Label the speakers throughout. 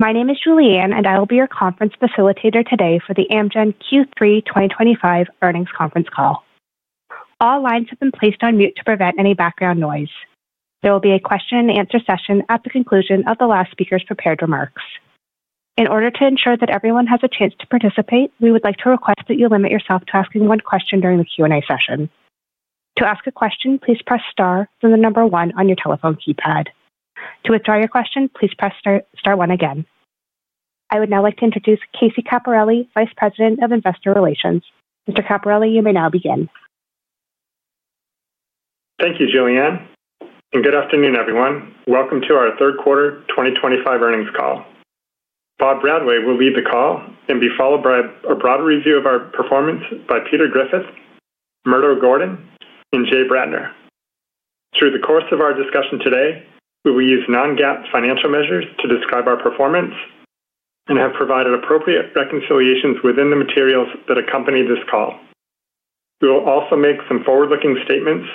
Speaker 1: My name is Julianne, and I will be your conference facilitator today for the Amgen Q3 2025 earnings conference call. All lines have been placed on mute to prevent any background noise. There will be a question-and-answer session at the conclusion of the last speaker's prepared remarks. In order to ensure that everyone has a chance to participate, we would like to request that you limit yourself to asking one question during the Q&A session. To ask a question, please press star from the number one on your telephone keypad. To withdraw your question, please press star one again. I would now like to introduce Casey Capparelli, Vice President of Investor Relations. Mr. Capparelli, you may now begin.
Speaker 2: Thank you, Julianne. And good afternoon, everyone. Welcome to our third quarter 2025 earnings call. Bob Bradway will lead the call and be followed by a broader review of our performance by Peter Griffith, Murdo Gordon, and Jay Bradner. Through the course of our discussion today, we will use Non-GAAP financial measures to describe our performance and have provided appropriate reconciliations within the materials that accompany this call. We will also make some forward-looking statements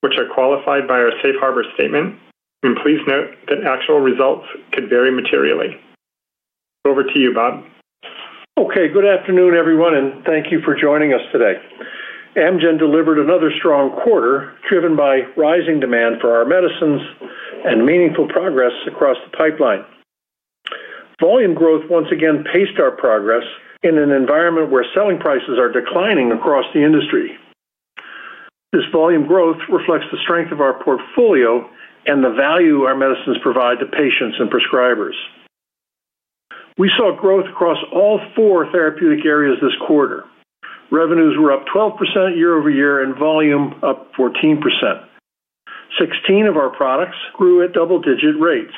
Speaker 2: which are qualified by our Safe Harbor statement, and please note that actual results could vary materially. Over to you, Bob.
Speaker 3: Okay. Good afternoon, everyone, and thank you for joining us today. Amgen delivered another strong quarter driven by rising demand for our medicines and meaningful progress across the pipeline. Volume growth once again paced our progress in an environment where selling prices are declining across the industry. This volume growth reflects the strength of our portfolio and the value our medicines provide to patients and prescribers. We saw growth across all four therapeutic areas this quarter. Revenues were up 12% year over year and volume up 14%. 16 of our products grew at double-digit rates.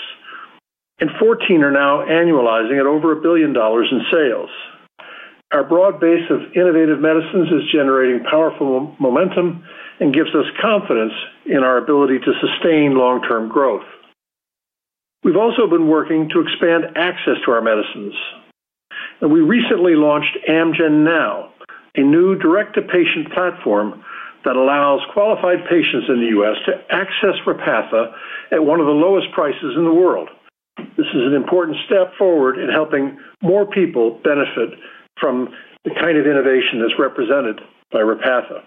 Speaker 3: And 14 are now annualizing at over $1 billion in sales. Our broad base of innovative medicines is generating powerful momentum and gives us confidence in our ability to sustain long-term growth. We've also been working to expand access to our medicines, and we recently launched AmgenNow, a new direct-to-patient platform that allows qualified patients in the U.S. to access Repatha at one of the lowest prices in the world. This is an important step forward in helping more people benefit from the kind of innovation that's represented by Repatha.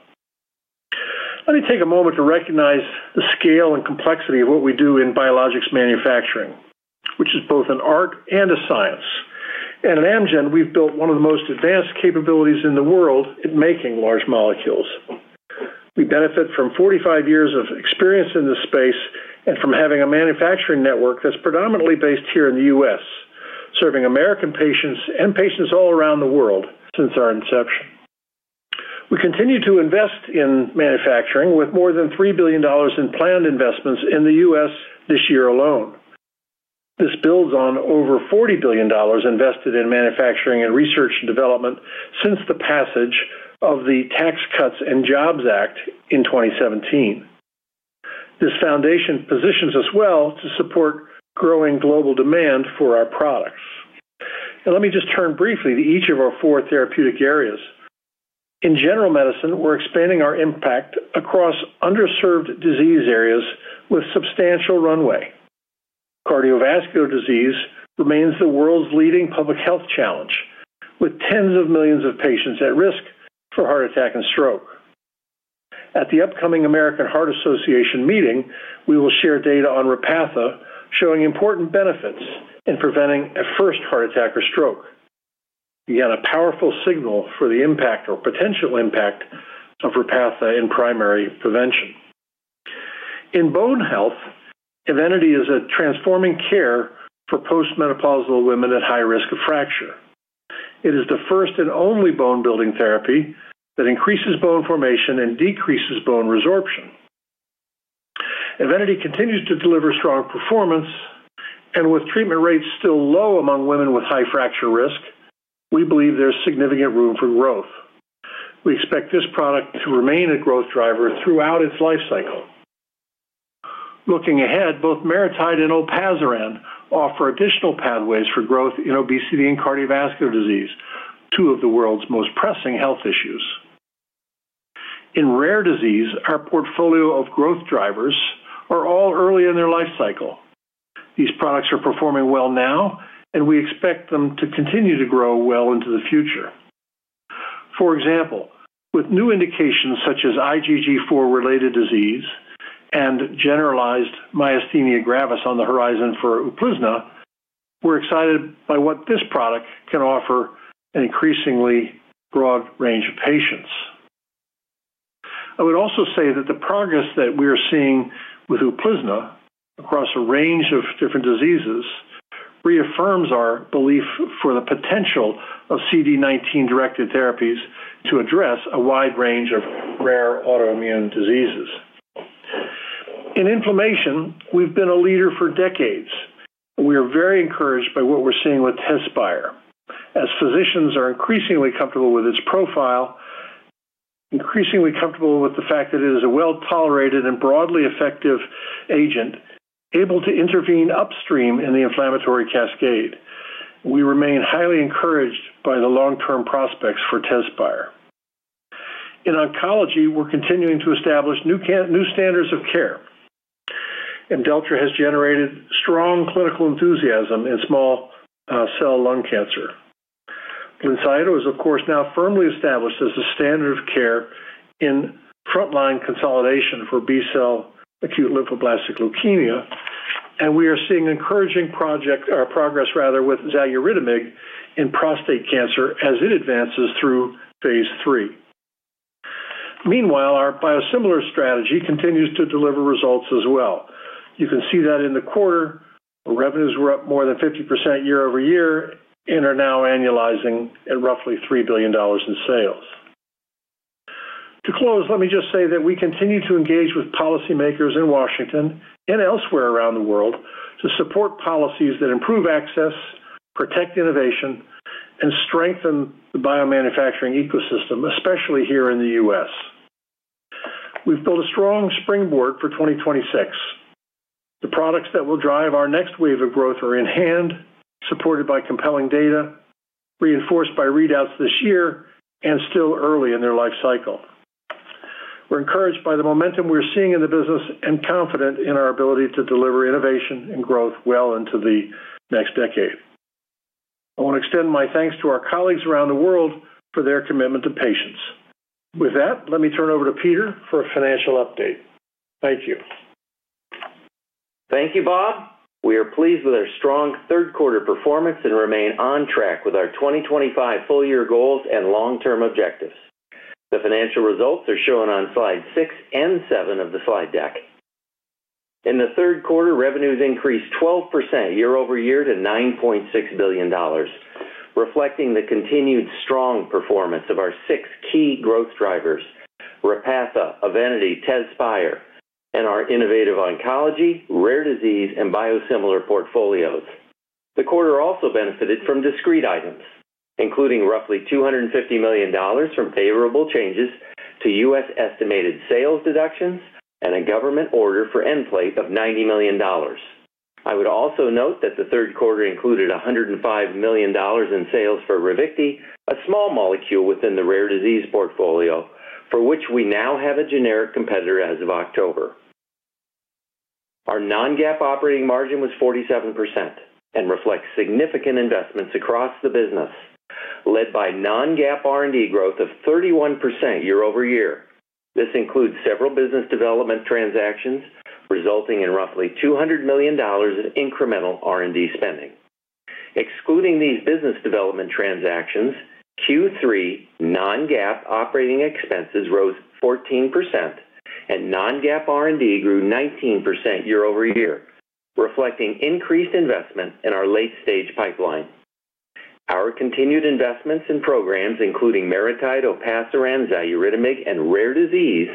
Speaker 3: Let me take a moment to recognize the scale and complexity of what we do in biologics manufacturing, which is both an art and a science. And at Amgen, we've built one of the most advanced capabilities in the world at making large molecules. We benefit from 45 years of experience in this space and from having a manufacturing network that's predominantly based here in the U.S., serving American patients and patients all around the world since our inception. We continue to invest in manufacturing with more than $3 billion in planned investments in the U.S. this year alone. This builds on over $40 billion invested in manufacturing and research and development since the passage of the Tax Cuts and Jobs Act in 2017. This foundation positions us well to support growing global demand for our products. And let me just turn briefly to each of our four therapeutic areas. In general medicine, we're expanding our impact across underserved disease areas with substantial runway. Cardiovascular disease remains the world's leading public health challenge, with tens of millions of patients at risk for heart attack and stroke. At the upcoming American Heart Association meeting, we will share data on Repatha showing important benefits in preventing a first heart attack or stroke. Again, a powerful signal for the impact or potential impact of Repatha in primary prevention. In bone health, EVENITY is a transforming care for postmenopausal women at high risk of fracture. It is the first and only bone-building therapy that increases bone formation and decreases bone resorption. EVENITY continues to deliver strong performance, and with treatment rates still low among women with high fracture risk, we believe there's significant room for growth. We expect this product to remain a growth driver throughout its lifecycle. Looking ahead, both MariTide and Olpasiran offer additional pathways for growth in obesity and cardiovascular disease, two of the world's most pressing health issues. In rare disease, our portfolio of growth drivers are all early in their life cycle. These products are performing well now, and we expect them to continue to grow well into the future. For example, with new indications such as IgG4-related disease and generalized myasthenia gravis on the horizon for Uplizna, we're excited by what this product can offer an increasingly broad range of patients. I would also say that the progress that we are seeing with Uplizna across a range of different diseases reaffirms our belief for the potential of CD19-directed therapies to address a wide range of rare autoimmune diseases. In inflammation, we've been a leader for decades. We are very encouraged by what we're seeing with Tezspire, as physicians are increasingly comfortable with its profile. Increasingly comfortable with the fact that it is a well-tolerated and broadly effective agent able to intervene upstream in the inflammatory cascade. We remain highly encouraged by the long-term prospects for Tezspire. In oncology, we're continuing to establish new standards of care, and Imdelltra has generated strong clinical enthusiasm in small cell lung cancer. Blincyto is, of course, now firmly established as a standard of care in frontline consolidation for B-cell acute lymphoblastic leukemia, and we are seeing encouraging progress, rather, with Xaluritamig in prostate cancer as it advances through phase 3. Meanwhile, our biosimilar strategy continues to deliver results as well. You can see that in the quarter, revenues were up more than 50% year over year and are now annualizing at roughly $3 billion in sales. To close, let me just say that we continue to engage with policymakers in Washington and elsewhere around the world to support policies that improve access, protect innovation, and strengthen the biomanufacturing ecosystem, especially here in the U.S. We've built a strong springboard for 2026. The products that will drive our next wave of growth are in hand, supported by compelling data, reinforced by readouts this year, and still early in their life cycle. We're encouraged by the momentum we're seeing in the business and confident in our ability to deliver innovation and growth well into the next decade. I want to extend my thanks to our colleagues around the world for their commitment to patients. With that, let me turn over to Peter for a financial update. Thank you.
Speaker 4: Thank you, Bob. We are pleased with our strong third-quarter performance and remain on track with our 2025 full-year goals and long-term objectives. The financial results are shown on slides six and seven of the slide deck. In the third quarter, revenues increased 12% year over year to $9.6 billion. Reflecting the continued strong performance of our six key growth drivers: Repatha, EVENITY, Tezspire, and our innovative oncology, rare disease, and biosimilar portfolios. The quarter also benefited from discrete items, including roughly $250 million from favorable changes to U.S. estimated sales deductions and a government order for Nplate of $90 million. I would also note that the third quarter included $105 million in sales for Ravicti, a small molecule within the rare disease portfolio for which we now have a generic competitor as of October. Our Non-GAAP operating margin was 47% and reflects significant investments across the business. Led by Non-GAAP R&D growth of 31% year over year. This includes several business development transactions resulting in roughly $200 million in incremental R&D spending. Excluding these business development transactions, Q3 Non-GAAP operating expenses rose 14%. And Non-GAAP R&D grew 19% year over year, reflecting increased investment in our late-stage pipeline. Our continued investments in programs, including MariTide, Olpasiran, and Xaluritamig, and rare disease,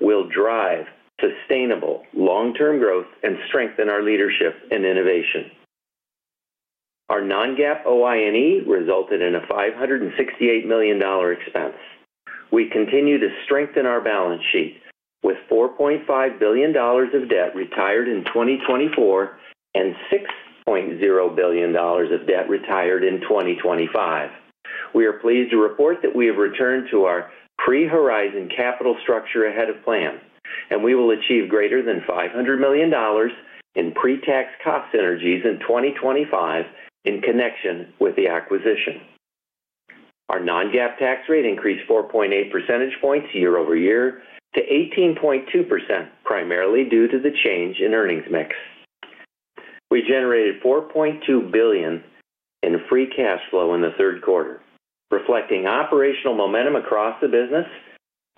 Speaker 4: will drive sustainable long-term growth and strengthen our leadership and innovation. Our Non-GAAP OINE resulted in a $568 million expense. We continue to strengthen our balance sheet with $4.5 billion of debt retired in 2024 and $6.0 billion of debt retired in 2025. We are pleased to report that we have returned to our pre-Horizon capital structure ahead of plan, and we will achieve greater than $500 million. In pre-tax cost synergies in 2025 in connection with the acquisition. Our Non-GAAP tax rate increased 4.8 percentage points year over year to 18.2%, primarily due to the change in earnings mix. We generated $4.2 billion in free cash flow in the third quarter, reflecting operational momentum across the business.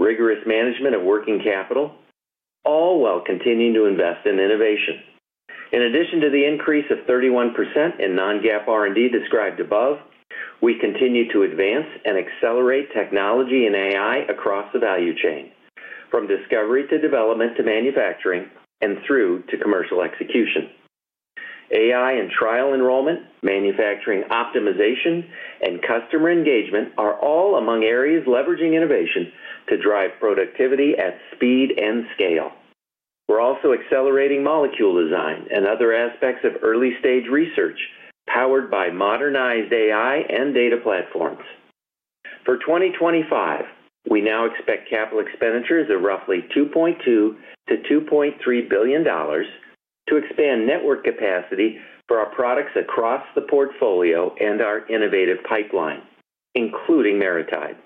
Speaker 4: Rigorous management of working capital, all while continuing to invest in innovation. In addition to the increase of 31% in Non-GAAP R&D described above, we continue to advance and accelerate technology and AI across the value chain, from discovery to development to manufacturing and through to commercial execution. AI and trial enrollment, manufacturing optimization, and customer engagement are all among areas leveraging innovation to drive productivity at speed and scale. We're also accelerating molecule design and other aspects of early-stage research powered by modernized AI and data platforms. For 2025, we now expect capital expenditures of roughly $2.2 billion-$2.3 billion to expand network capacity for our products across the portfolio and our innovative pipeline, including MariTide.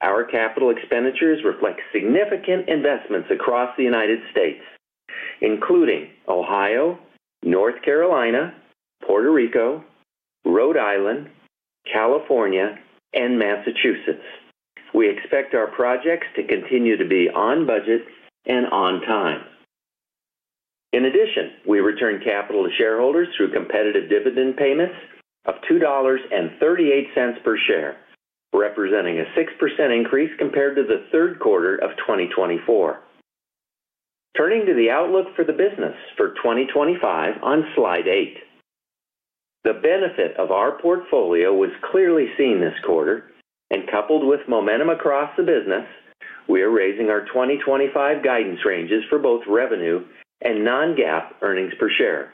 Speaker 4: Our capital expenditures reflect significant investments across the United States, including Ohio, North Carolina, Puerto Rico, Rhode Island, California, and Massachusetts. We expect our projects to continue to be on budget and on time. In addition, we return capital to shareholders through competitive dividend payments of $2.38 per share, representing a 6% increase compared to the third quarter of 2024. Turning to the outlook for the business for 2025 on slide eight. The benefit of our portfolio was clearly seen this quarter, and coupled with momentum across the business, we are raising our 2025 guidance ranges for both revenue and non-GAAP earnings per share.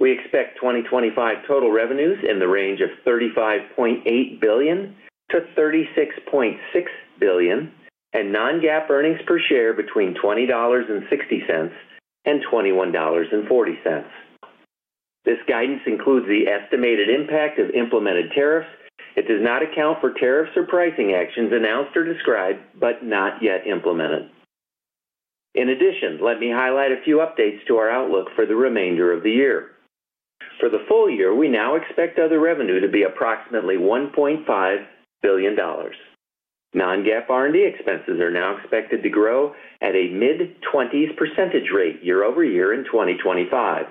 Speaker 4: We expect 2025 total revenues in the range of $35.8 billion-$36.6 billion and non-GAAP earnings per share between $20.60 and $21.40. This guidance includes the estimated impact of implemented tariffs. It does not account for tariffs or pricing actions announced or described, but not yet implemented. In addition, let me highlight a few updates to our outlook for the remainder of the year. For the full year, we now expect other revenue to be approximately $1.5 billion. Non-GAAP R&D expenses are now expected to grow at a mid-20s% rate year over year in 2025.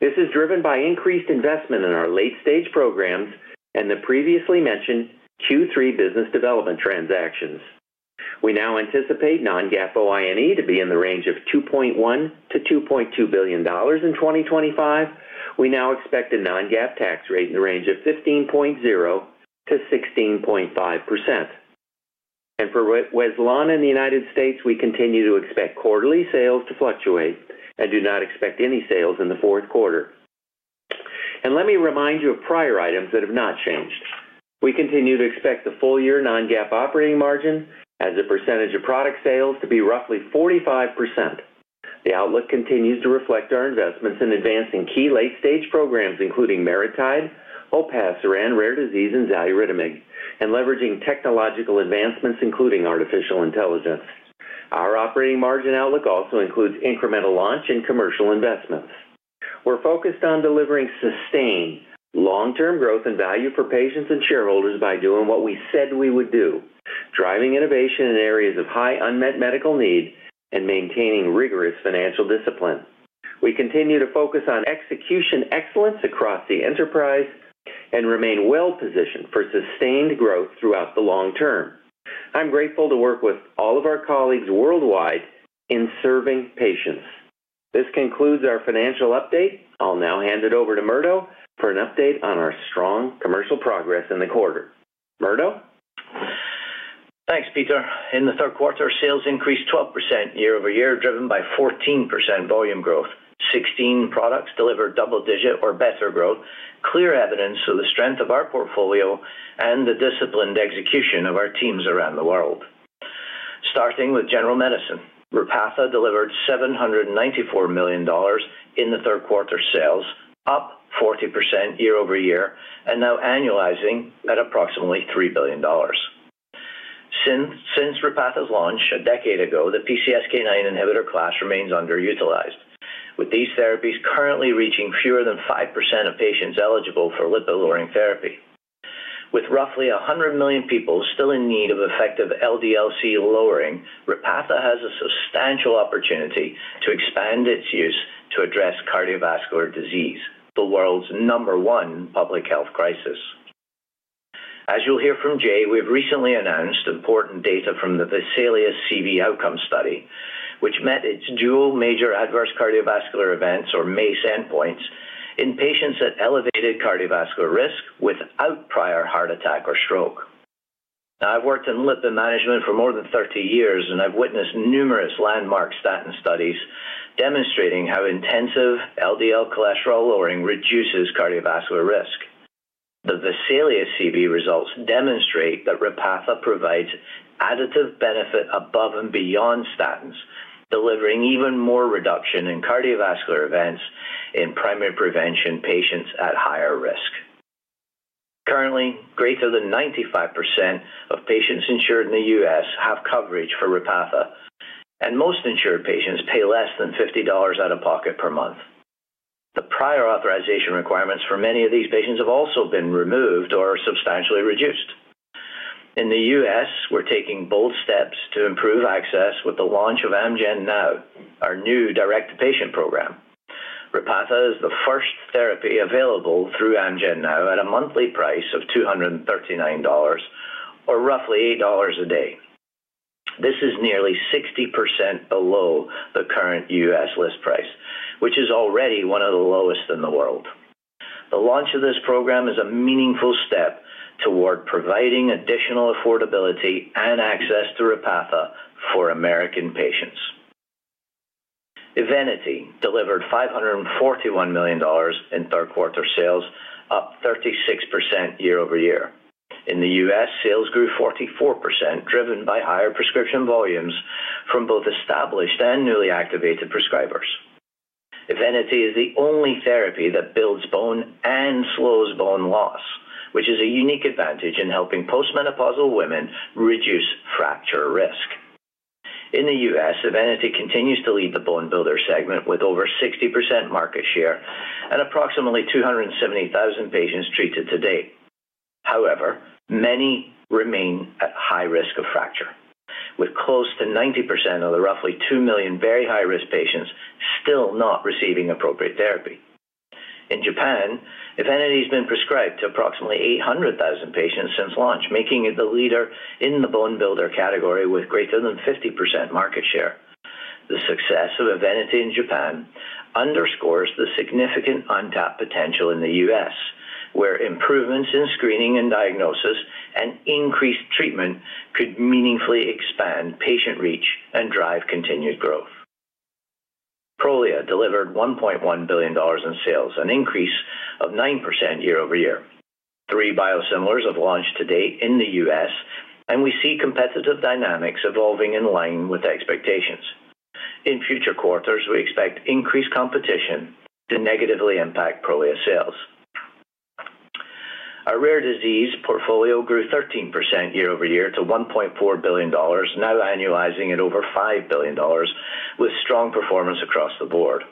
Speaker 4: This is driven by increased investment in our late-stage programs and the previously mentioned Q3 business development transactions. We now anticipate non-GAAP OINE to be in the range of $2.1 billion-$2.2 billion in 2025. We now expect a non-GAAP tax rate in the range of 15.0%-16.5%. For Wezlana in the United States, we continue to expect quarterly sales to fluctuate and do not expect any sales in the fourth quarter. Let me remind you of prior items that have not changed. We continue to expect the full-year non-GAAP operating margin as a percentage of product sales to be roughly 45%. The outlook continues to reflect our investments in advancing key late-stage programs, including MariTide, Olpasiran, and rare disease and Xaluritamig, and leveraging technological advancements, including artificial intelligence. Our operating margin outlook also includes incremental launch and commercial investments. We're focused on delivering sustained long-term growth and value for patients and shareholders by doing what we said we would do, driving innovation in areas of high unmet medical need and maintaining rigorous financial discipline. We continue to focus on execution excellence across the enterprise and remain well-positioned for sustained growth throughout the long term. I'm grateful to work with all of our colleagues worldwide in serving patients. This concludes our financial update. I'll now hand it over to Murdo for an update on our strong commercial progress in the quarter. Murdo.
Speaker 5: Thanks, Peter. In the third quarter, sales increased 12% year over year, driven by 14% volume growth. 16 products delivered double-digit or better growth, clear evidence of the strength of our portfolio and the disciplined execution of our teams around the world. Starting with general medicine, Repatha delivered $794 million in the third quarter sales, up 40% year over year, and now annualizing at approximately $3 billion. Since Repatha's launch a decade ago, the PCSK9 inhibitor class remains underutilized, with these therapies currently reaching fewer than 5% of patients eligible for lipid-lowering therapy. With roughly 100 million people still in need of effective LDL-C lowering, Repatha has a substantial opportunity to expand its use to address cardiovascular disease, the world's number one public health crisis. As you'll hear from Jay, we've recently announced important data from the VESALIUS-CV outcome study, which met its dual major adverse cardiovascular events, or MACE, endpoints in patients at elevated cardiovascular risk without prior heart attack or stroke. Now, I've worked in lipid management for more than 30 years, and I've witnessed numerous landmark statin studies demonstrating how intensive LDL cholesterol lowering reduces cardiovascular risk. The VESALIUS-CV results demonstrate that Repatha provides additive benefit above and beyond statins, delivering even more reduction in cardiovascular events in primary prevention patients at higher risk. Currently, greater than 95% of patients insured in the U.S. have coverage for Repatha, and most insured patients pay less than $50 out of pocket per month. The prior authorization requirements for many of these patients have also been removed or substantially reduced. In the U.S., we're taking bold steps to improve access with the launch of AmgenNow, our new direct patient program. Repatha is the first therapy available through AmgenNow at a monthly price of $239. Or roughly $8 a day. This is nearly 60% below the current U.S. list price, which is already one of the lowest in the world. The launch of this program is a meaningful step toward providing additional affordability and access to Repatha for American patients. EVENITY delivered $541 million in third-quarter sales, up 36% year over year. In the U.S., sales grew 44%, driven by higher prescription volumes from both established and newly activated prescribers. EVENITY is the only therapy that builds bone and slows bone loss, which is a unique advantage in helping postmenopausal women reduce fracture risk. In the U.S., EVENITY continues to lead the bone builder segment with over 60% market share and approximately 270,000 patients treated to date. However, many remain at high risk of fracture, with close to 90% of the roughly 2 million very high-risk patients still not receiving appropriate therapy. In Japan, EVENITY has been prescribed to approximately 800,000 patients since launch, making it the leader in the bone builder category with greater than 50% market share. The success of EVENITY in Japan underscores the significant untapped potential in the US, where improvements in screening and diagnosis and increased treatment could meaningfully expand patient reach and drive continued growth. Prolia delivered $1.1 billion in sales, an increase of 9% year over year. Three biosimilars have launched to date in the U.S., and we see competitive dynamics evolving in line with expectations. In future quarters, we expect increased competition to negatively impact Prolia sales. Our rare disease portfolio grew 13% year over year to $1.4 billion, now annualizing at over $5 billion, with strong performance across the board.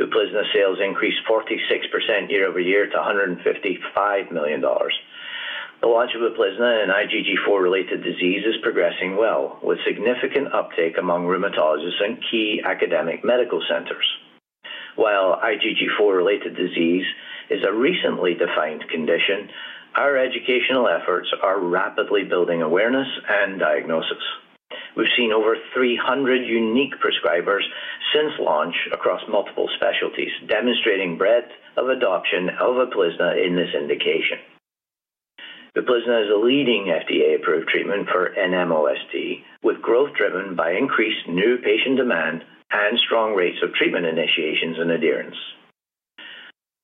Speaker 5: Uplizna sales increased 46% year over year to $155 million. The launch of Uplizna and IgG4-related disease is progressing well, with significant uptake among rheumatologists and key academic medical centers. While IgG4-related disease is a recently defined condition, our educational efforts are rapidly building awareness and diagnosis. We've seen over 300 unique prescribers since launch across multiple specialties, demonstrating breadth of adoption of Uplizna in this indication. Uplizna is a leading FDA-approved treatment for NMOSD, with growth driven by increased new patient demand and strong rates of treatment initiations and adherence.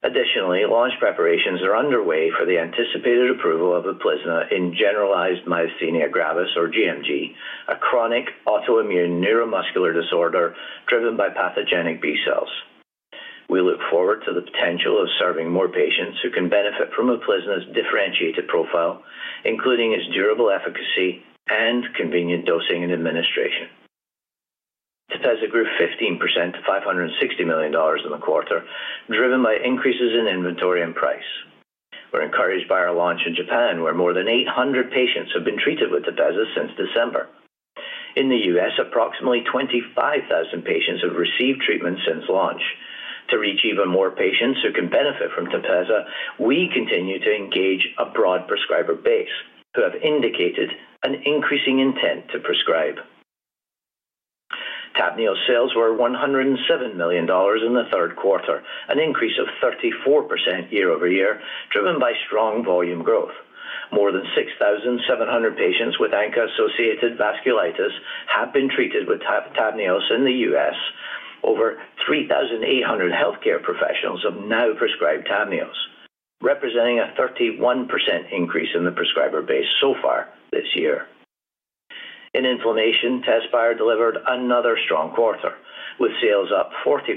Speaker 5: Additionally, launch preparations are underway for the anticipated approval of Uplizna in generalized myasthenia gravis, or GMG, a chronic autoimmune neuromuscular disorder driven by pathogenic B cells. We look forward to the potential of serving more patients who can benefit from Uplizna's differentiated profile, including its durable efficacy and convenient dosing and administration. Tepezza grew 15% to $560 million in the quarter, driven by increases in inventory and price. We're encouraged by our launch in Japan, where more than 800 patients have been treated with Tepezza since December. In the U.S., approximately 25,000 patients have received treatment since launch. To reach even more patients who can benefit from Tepezza, we continue to engage a broad prescriber base who have indicated an increasing intent to prescribe. Tavneos sales were $107 million in the third quarter, an increase of 34% year over year, driven by strong volume growth. More than 6,700 patients with ANCA-associated vasculitis have been treated with Tavneos in the U.S. Over 3,800 healthcare professionals have now prescribed Tavneos, representing a 31% increase in the prescriber base so far this year. In inflammation, Tezspire delivered another strong quarter, with sales up 40%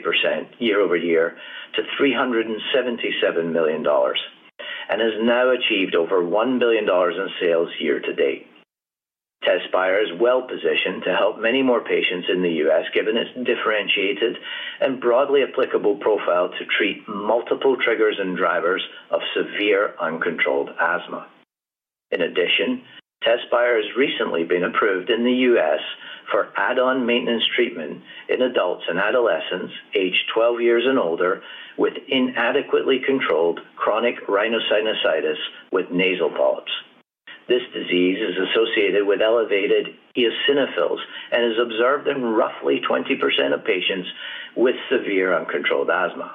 Speaker 5: year over year to $377 million. Tezspire has now achieved over $1 billion in sales year to date. Tezspire is well-positioned to help many more patients in the U.S., given its differentiated and broadly applicable profile to treat multiple triggers and drivers of severe uncontrolled asthma. In addition, Tezspire has recently been approved in the U.S. for add-on maintenance treatment in adults and adolescents aged 12 years and older with inadequately controlled chronic rhinosinusitis with nasal polyps. This disease is associated with elevated eosinophils and is observed in roughly 20% of patients with severe uncontrolled asthma.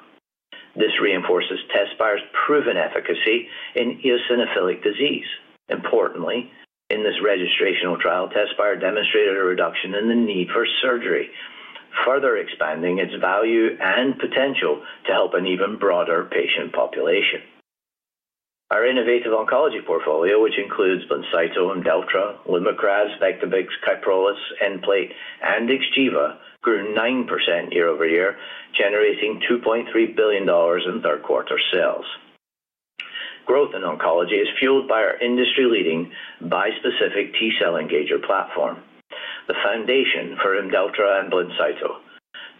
Speaker 5: This reinforces Tezspire's proven efficacy in eosinophilic disease. Importantly, in this registrational trial, Tezspire demonstrated a reduction in the need for surgery, further expanding its value and potential to help an even broader patient population. Our innovative oncology portfolio, which includes Blincyto, Imdelltra, Lumakras, Vectibix, Kyprolis, Nplate, and Xgeva, grew 9% year over year, generating $2.3 billion in third-quarter sales. Growth in oncology is fueled by our industry-leading bispecific T-cell engager platform, the foundation for Imdelltra and Blincyto.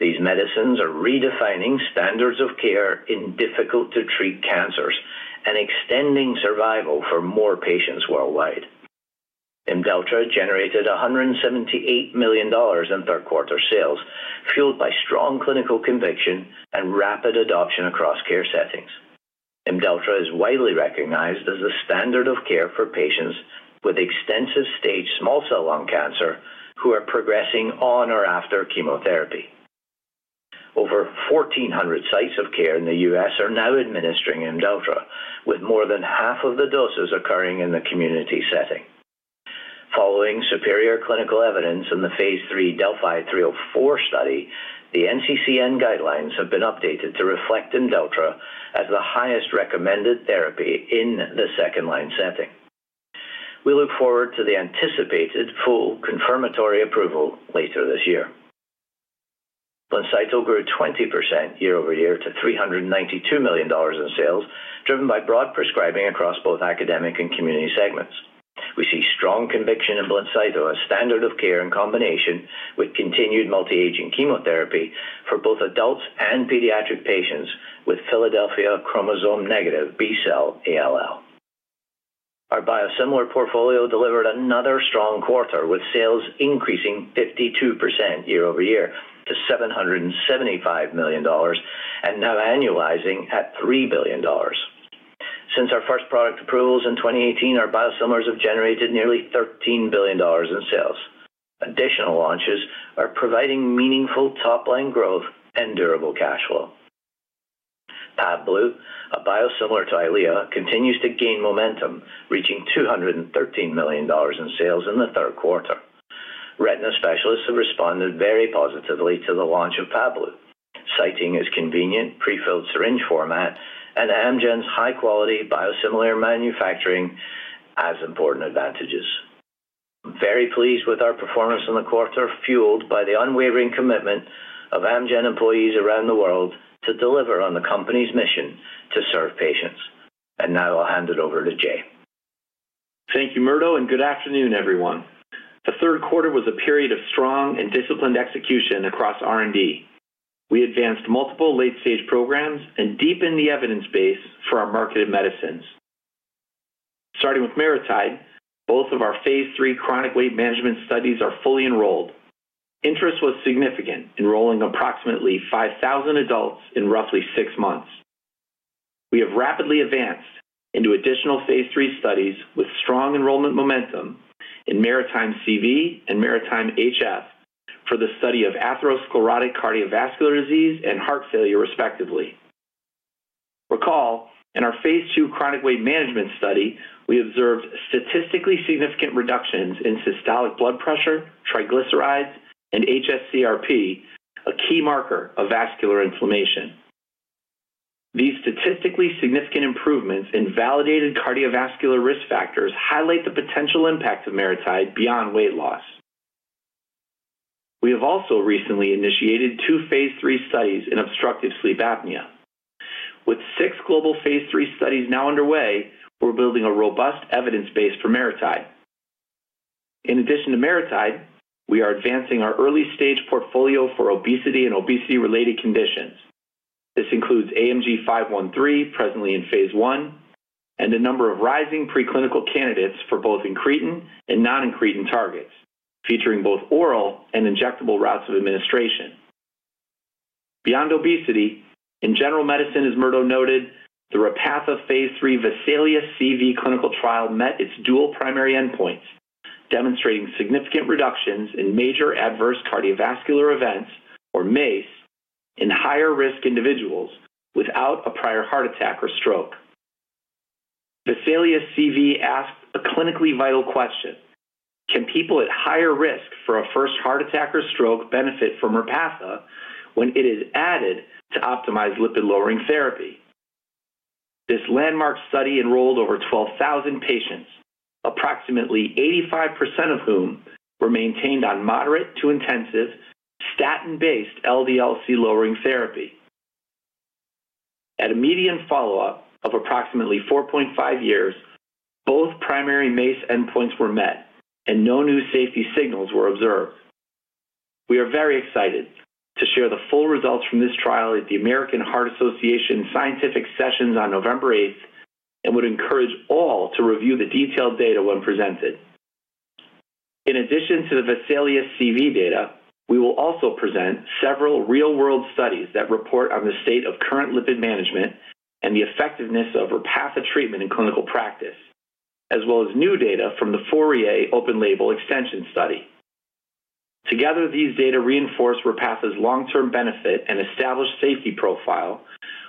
Speaker 5: These medicines are redefining standards of care in difficult-to-treat cancers and extending survival for more patients worldwide. Imdelltra generated $178 million in third-quarter sales, fueled by strong clinical conviction and rapid adoption across care settings. Imdelltra is widely recognized as the standard of care for patients with extensive stage small cell lung cancer who are progressing on or after chemotherapy. Over 1,400 sites of care in the U.S. are now administering Imdelltra, with more than half of the doses occurring in the community setting. Following superior clinical evidence in the phase 3 DeLLphi-304 study, the NCCN guidelines have been updated to reflect Imdelltra as the highest recommended therapy in the second-line setting. We look forward to the anticipated full confirmatory approval later this year. Blincyto grew 20% year over year to $392 million in sales, driven by broad prescribing across both academic and community segments. We see strong conviction in Blincyto as standard of care in combination with continued multi-agent chemotherapy for both adults and pediatric patients with Philadelphia chromosome-negative B-cell ALL. Our biosimilar portfolio delivered another strong quarter, with sales increasing 52% year over year to $775 million and now annualizing at $3 billion. Since our first product approvals in 2018, our biosimilars have generated nearly $13 billion in sales. Additional launches are providing meaningful top-line growth and durable cash flow. Pavblu, a biosimilar to Eylea, continues to gain momentum, reaching $213 million in sales in the third quarter. Retina specialists have responded very positively to the launch of Pavblu, citing its convenient prefilled syringe format and Amgen's high-quality biosimilar manufacturing as important advantages. Very pleased with our performance in the quarter, fueled by the unwavering commitment of Amgen employees around the world to deliver on the company's mission to serve patients. And now I'll hand it over to Jay.
Speaker 6: Thank you, Murdo, and good afternoon, everyone. The third quarter was a period of strong and disciplined execution across R&D. We advanced multiple late-stage programs and deepened the evidence base for our marketed medicines. Starting with MariTide, both of our phase 3 chronic weight management studies are fully enrolled. Interest was significant, enrolling approximately 5,000 adults in roughly six months. We have rapidly advanced into additional phase 3 studies with strong enrollment momentum in MariTide CV and MariTide HF for the study of atherosclerotic cardiovascular disease and heart failure, respectively. Recall, in our phase 2 chronic weight management study, we observed statistically significant reductions in systolic blood pressure, triglycerides, and hsCRP, a key marker of vascular inflammation. These statistically significant improvements in validated cardiovascular risk factors highlight the potential impact of MariTide beyond weight loss. We have also recently initiated two phase 3 studies in obstructive sleep apnea. With six global phase 3 studies now underway, we're building a robust evidence base for MariTide. In addition to MariTide, we are advancing our early-stage portfolio for obesity and obesity-related conditions. This includes AMG 513, presently in phase 1, and a number of rising preclinical candidates for both incretin and non-incretin targets, featuring both oral and injectable routes of administration. Beyond obesity, in general medicine, as Murdo noted, the Repatha phase 3 VESALIUS-CV clinical trial met its dual primary endpoints, demonstrating significant reductions in major adverse cardiovascular events, or MACE, in higher-risk individuals without a prior heart attack or stroke. VESALIUS-CV asked a clinically vital question: Can people at higher risk for a first heart attack or stroke benefit from Repatha when it is added to optimize lipid-lowering therapy? This landmark study enrolled over 12,000 patients, approximately 85% of whom were maintained on moderate to intensive statin-based LDL-C lowering therapy. At a median follow-up of approximately 4.5 years, both primary MACE endpoints were met, and no new safety signals were observed. We are very excited to share the full results from this trial at the American Heart Association Scientific Sessions on November 8th and would encourage all to review the detailed data when presented. In addition to the VESALIUS-CV data, we will also present several real-world studies that report on the state of current lipid management and the effectiveness of Repatha treatment in clinical practice, as well as new data from the Fourier open-label extension study. Together, these data reinforce Repatha's long-term benefit and established safety profile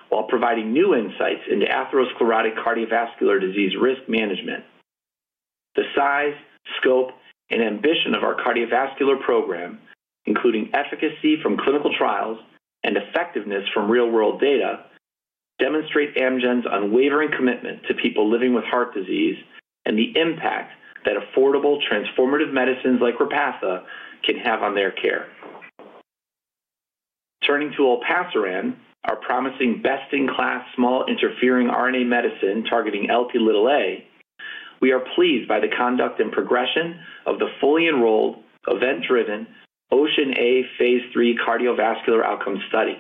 Speaker 6: while providing new insights into atherosclerotic cardiovascular disease risk management. The size, scope, and ambition of our cardiovascular program, including efficacy from clinical trials and effectiveness from real-world data, demonstrate Amgen's unwavering commitment to people living with heart disease and the impact that affordable transformative medicines like Repatha can have on their care. Turning to Olpasiran, our promising best-in-class small interfering RNA medicine targeting Lp(a), we are pleased by the conduct and progression of the fully enrolled, event-driven Ocean A phase 3 cardiovascular outcome study.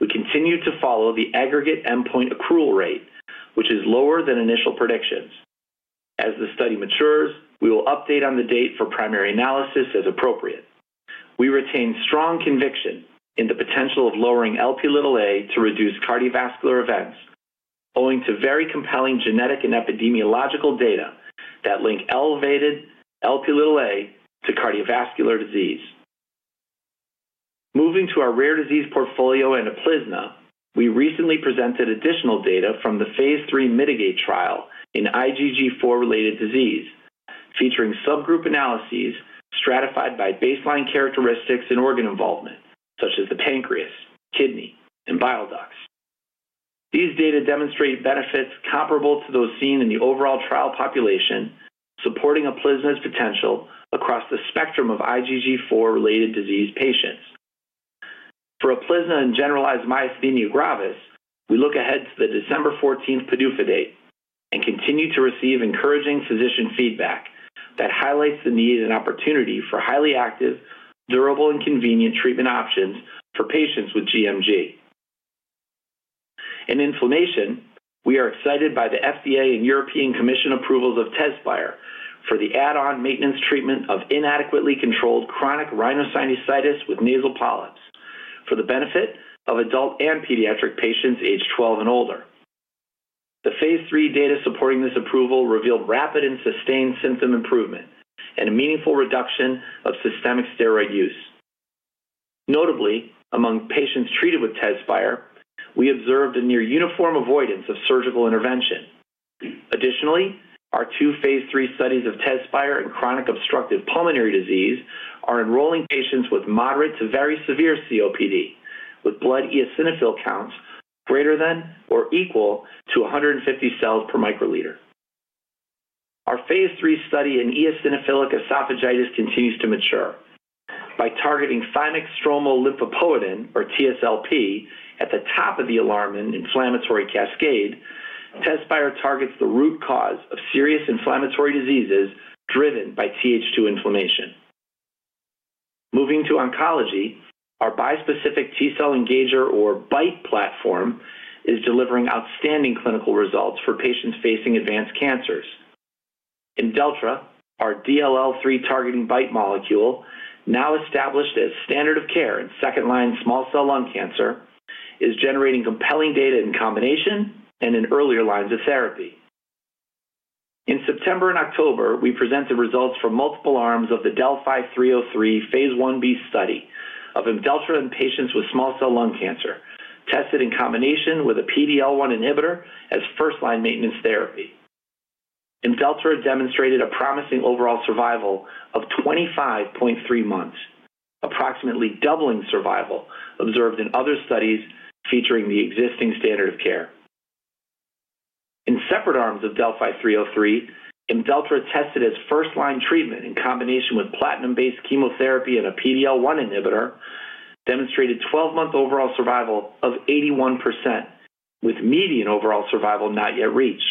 Speaker 6: We continue to follow the aggregate endpoint accrual rate, which is lower than initial predictions. As the study matures, we will update on the date for primary analysis as appropriate. We retain strong conviction in the potential of lowering Lp(a) to reduce cardiovascular events, owing to very compelling genetic and epidemiological data that link elevated Lp(a) to cardiovascular disease. Moving to our rare disease portfolio and Uplizna, we recently presented additional data from the phase 3 Mitigate trial in IgG4-related disease, featuring subgroup analyses stratified by baseline characteristics and organ involvement, such as the pancreas, kidney, and bile ducts. These data demonstrate benefits comparable to those seen in the overall trial population, supporting Uplizna's potential across the spectrum of IgG4-related disease patients. For Uplizna and generalized myasthenia gravis, we look ahead to the December 14th PDUFA date and continue to receive encouraging physician feedback that highlights the need and opportunity for highly active, durable, and convenient treatment options for patients with GMG. In inflammation, we are excited by the FDA and European Commission approvals of Tezspire for the add-on maintenance treatment of inadequately controlled chronic rhinosinusitis with nasal polyps for the benefit of adult and pediatric patients aged 12 and older. The phase 3 data supporting this approval revealed rapid and sustained symptom improvement and a meaningful reduction of systemic steroid use. Notably, among patients treated with Tezspire, we observed a near-uniform avoidance of surgical intervention. Additionally, our two phase 3 studies of Tezspire in chronic obstructive pulmonary disease are enrolling patients with moderate to very severe COPD, with blood eosinophil counts greater than or equal to 150 cells per microliter. Our phase 3 study in eosinophilic esophagitis continues to mature. By targeting thymic stromal lymphopoietin, or TSLP, at the top of the alarm and inflammatory cascade, Tezspire targets the root cause of serious inflammatory diseases driven by TH2 inflammation. Moving to oncology, our bispecific T-cell engager, or BITE platform, is delivering outstanding clinical results for patients facing advanced cancers. Imdelltra, our DLL-3 targeting BITE molecule, now established as standard of care in second-line small cell lung cancer, is generating compelling data in combination and in earlier lines of therapy. In September and October, we presented results from multiple arms of the DeLLphi-303 phase 1b study of Imdelltra in patients with small cell lung cancer, tested in combination with a PD-L1 inhibitor as first-line maintenance therapy. Imdelltra demonstrated a promising overall survival of 25.3 months, approximately doubling survival observed in other studies featuring the existing standard of care. In separate arms of DeLLphi-303, Imdelltra tested as first-line treatment in combination with platinum-based chemotherapy and a PD-L1 inhibitor, demonstrated 12-month overall survival of 81%, with median overall survival not yet reached.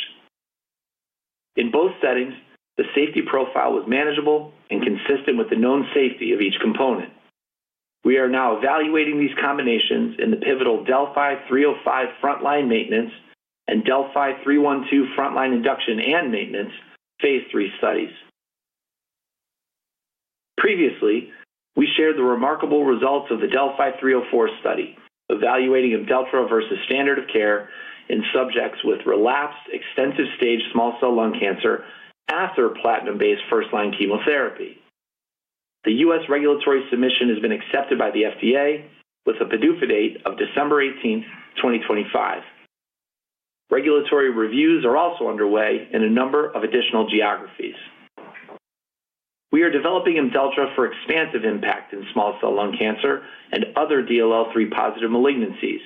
Speaker 6: In both settings, the safety profile was manageable and consistent with the known safety of each component. We are now evaluating these combinations in the pivotal DeLLphi-305 front-line maintenance and DeLLphi-312 front-line induction and maintenance phase 3 studies. Previously, we shared the remarkable results of the DeLLphi-304 study, evaluating Imdelltra versus standard of care in subjects with relapsed extensive stage small cell lung cancer after platinum-based first-line chemotherapy. The U.S. regulatory submission has been accepted by the FDA, with a PDUFA date of December 18th, 2025. Regulatory reviews are also underway in a number of additional geographies. We are developing Imdelltra for expansive impact in small cell lung cancer and other DLL-3 positive malignancies,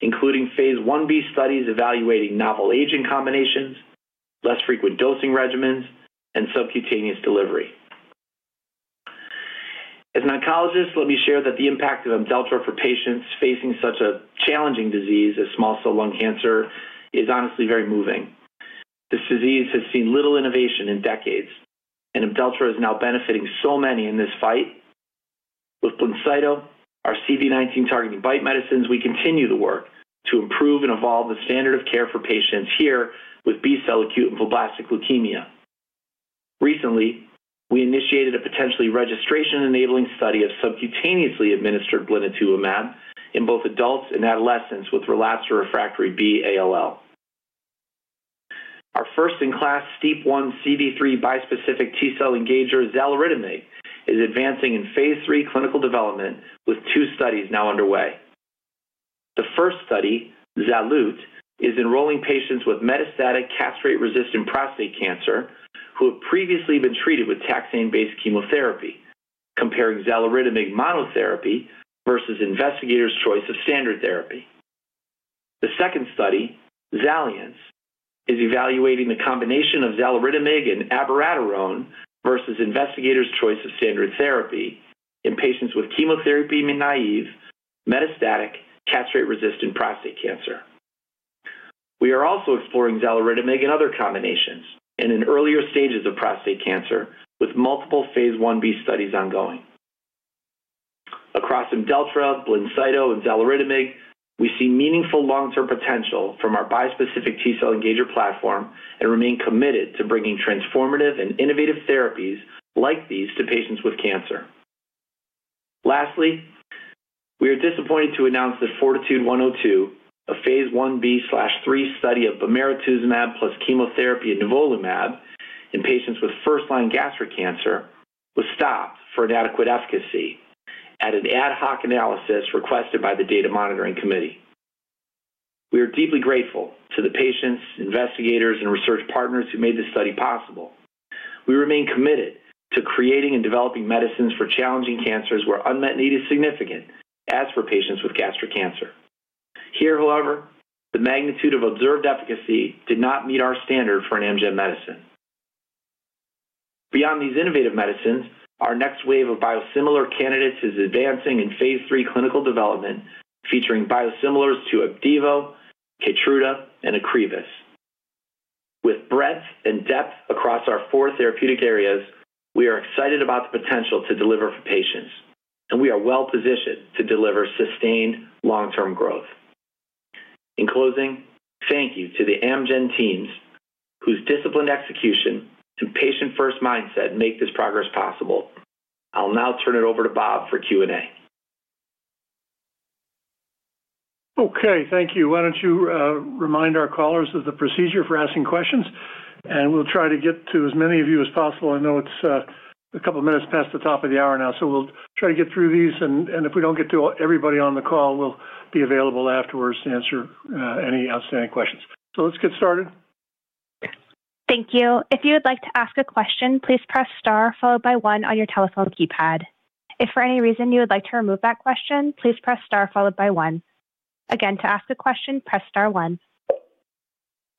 Speaker 6: including phase 1b studies evaluating novel agent combinations, less frequent dosing regimens, and subcutaneous delivery. As an oncologist, let me share that the impact of Imdelltra for patients facing such a challenging disease as small cell lung cancer is honestly very moving. This disease has seen little innovation in decades, and Imdelltra is now benefiting so many in this fight. With Blincyto, our CD19 targeting BITE medicines, we continue to work to improve and evolve the standard of care for patients here with B cell acute and lymphoblastic leukemia. Recently, we initiated a potentially registration-enabling study of subcutaneously administered Blinatumomab in both adults and adolescents with relapsed or refractory B-ALL. Our first-in-class STEAP1 CD3 bispecific T-cell engager, Xaluritamig, is advancing in phase 3 clinical development, with two studies now underway. The first study, Zalut, is enrolling patients with metastatic castrate-resistant prostate cancer who have previously been treated with taxane-based chemotherapy, comparing Xaluritamig monotherapy versus investigators' choice of standard therapy. The second study, Xaliance, is evaluating the combination of Xaluritamig and abiraterone versus investigators' choice of standard therapy in patients with chemotherapy-naive, metastatic, castrate-resistant prostate cancer. We are also exploring Xaluritamig and other combinations in earlier stages of prostate cancer, with multiple phase 1b studies ongoing. Across Imdelltra, Blincyto, and Xaluritamig, we see meaningful long-term potential from our bispecific T-cell engager platform and remain committed to bringing transformative and innovative therapies like these to patients with cancer. Lastly, we are disappointed to announce that Fortitude 102, a phase 1b/3 study of Bemarituzumab plus chemotherapy and Nivolumab in patients with first-line gastric cancer, was stopped for inadequate efficacy at an ad hoc analysis requested by the Data Monitoring Committee. We are deeply grateful to the patients, investigators, and research partners who made this study possible. We remain committed to creating and developing medicines for challenging cancers where unmet need is significant as for patients with gastric cancer. Here, however, the magnitude of observed efficacy did not meet our standard for an Amgen medicine. Beyond these innovative medicines, our next wave of biosimilar candidates is advancing in phase 3 clinical development, featuring biosimilars to Opdivo, Keytruda, and [Avastin]. With breadth and depth across our four therapeutic areas, we are excited about the potential to deliver for patients, and we are well-positioned to deliver sustained long-term growth. In closing, thank you to the Amgen teams, whose disciplined execution and patient-first mindset make this progress possible. I'll now turn it over to Bob for Q&A.
Speaker 3: Okay. Thank you. Why don't you remind our callers of the procedure for asking questions, and we'll try to get to as many of you as possible. I know it's a couple of minutes past the top of the hour now, so we'll try to get through these. And if we don't get to everybody on the call, we'll be available afterwards to answer any outstanding questions. So let's get started.
Speaker 1: Thank you. If you would like to ask a question, please press star followed by one on your telephone keypad. If for any reason you would like to remove that question, please press star followed by one. Again, to ask a question, press star one.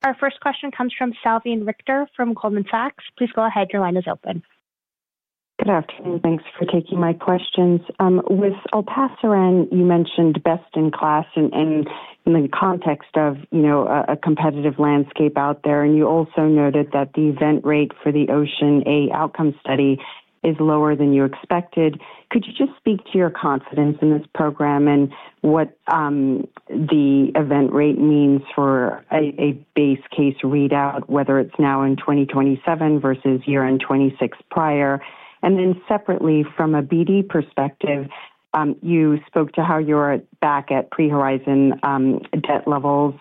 Speaker 1: Our first question comes from Salveen Richter from Goldman Sachs. Please go ahead. Your line is open.
Speaker 7: Good afternoon. Thanks for taking my questions. With Olpasiran, you mentioned best-in-class in the context of a competitive landscape out there, and you also noted that the event rate for the Ocean A outcome study is lower than you expected. Could you just speak to your confidence in this program and what the event rate means for a base case readout, whether it's now in 2027 versus year-end 2026 prior? And then separately, from a BD perspective, you spoke to how you're back at pre-Horizon debt levels.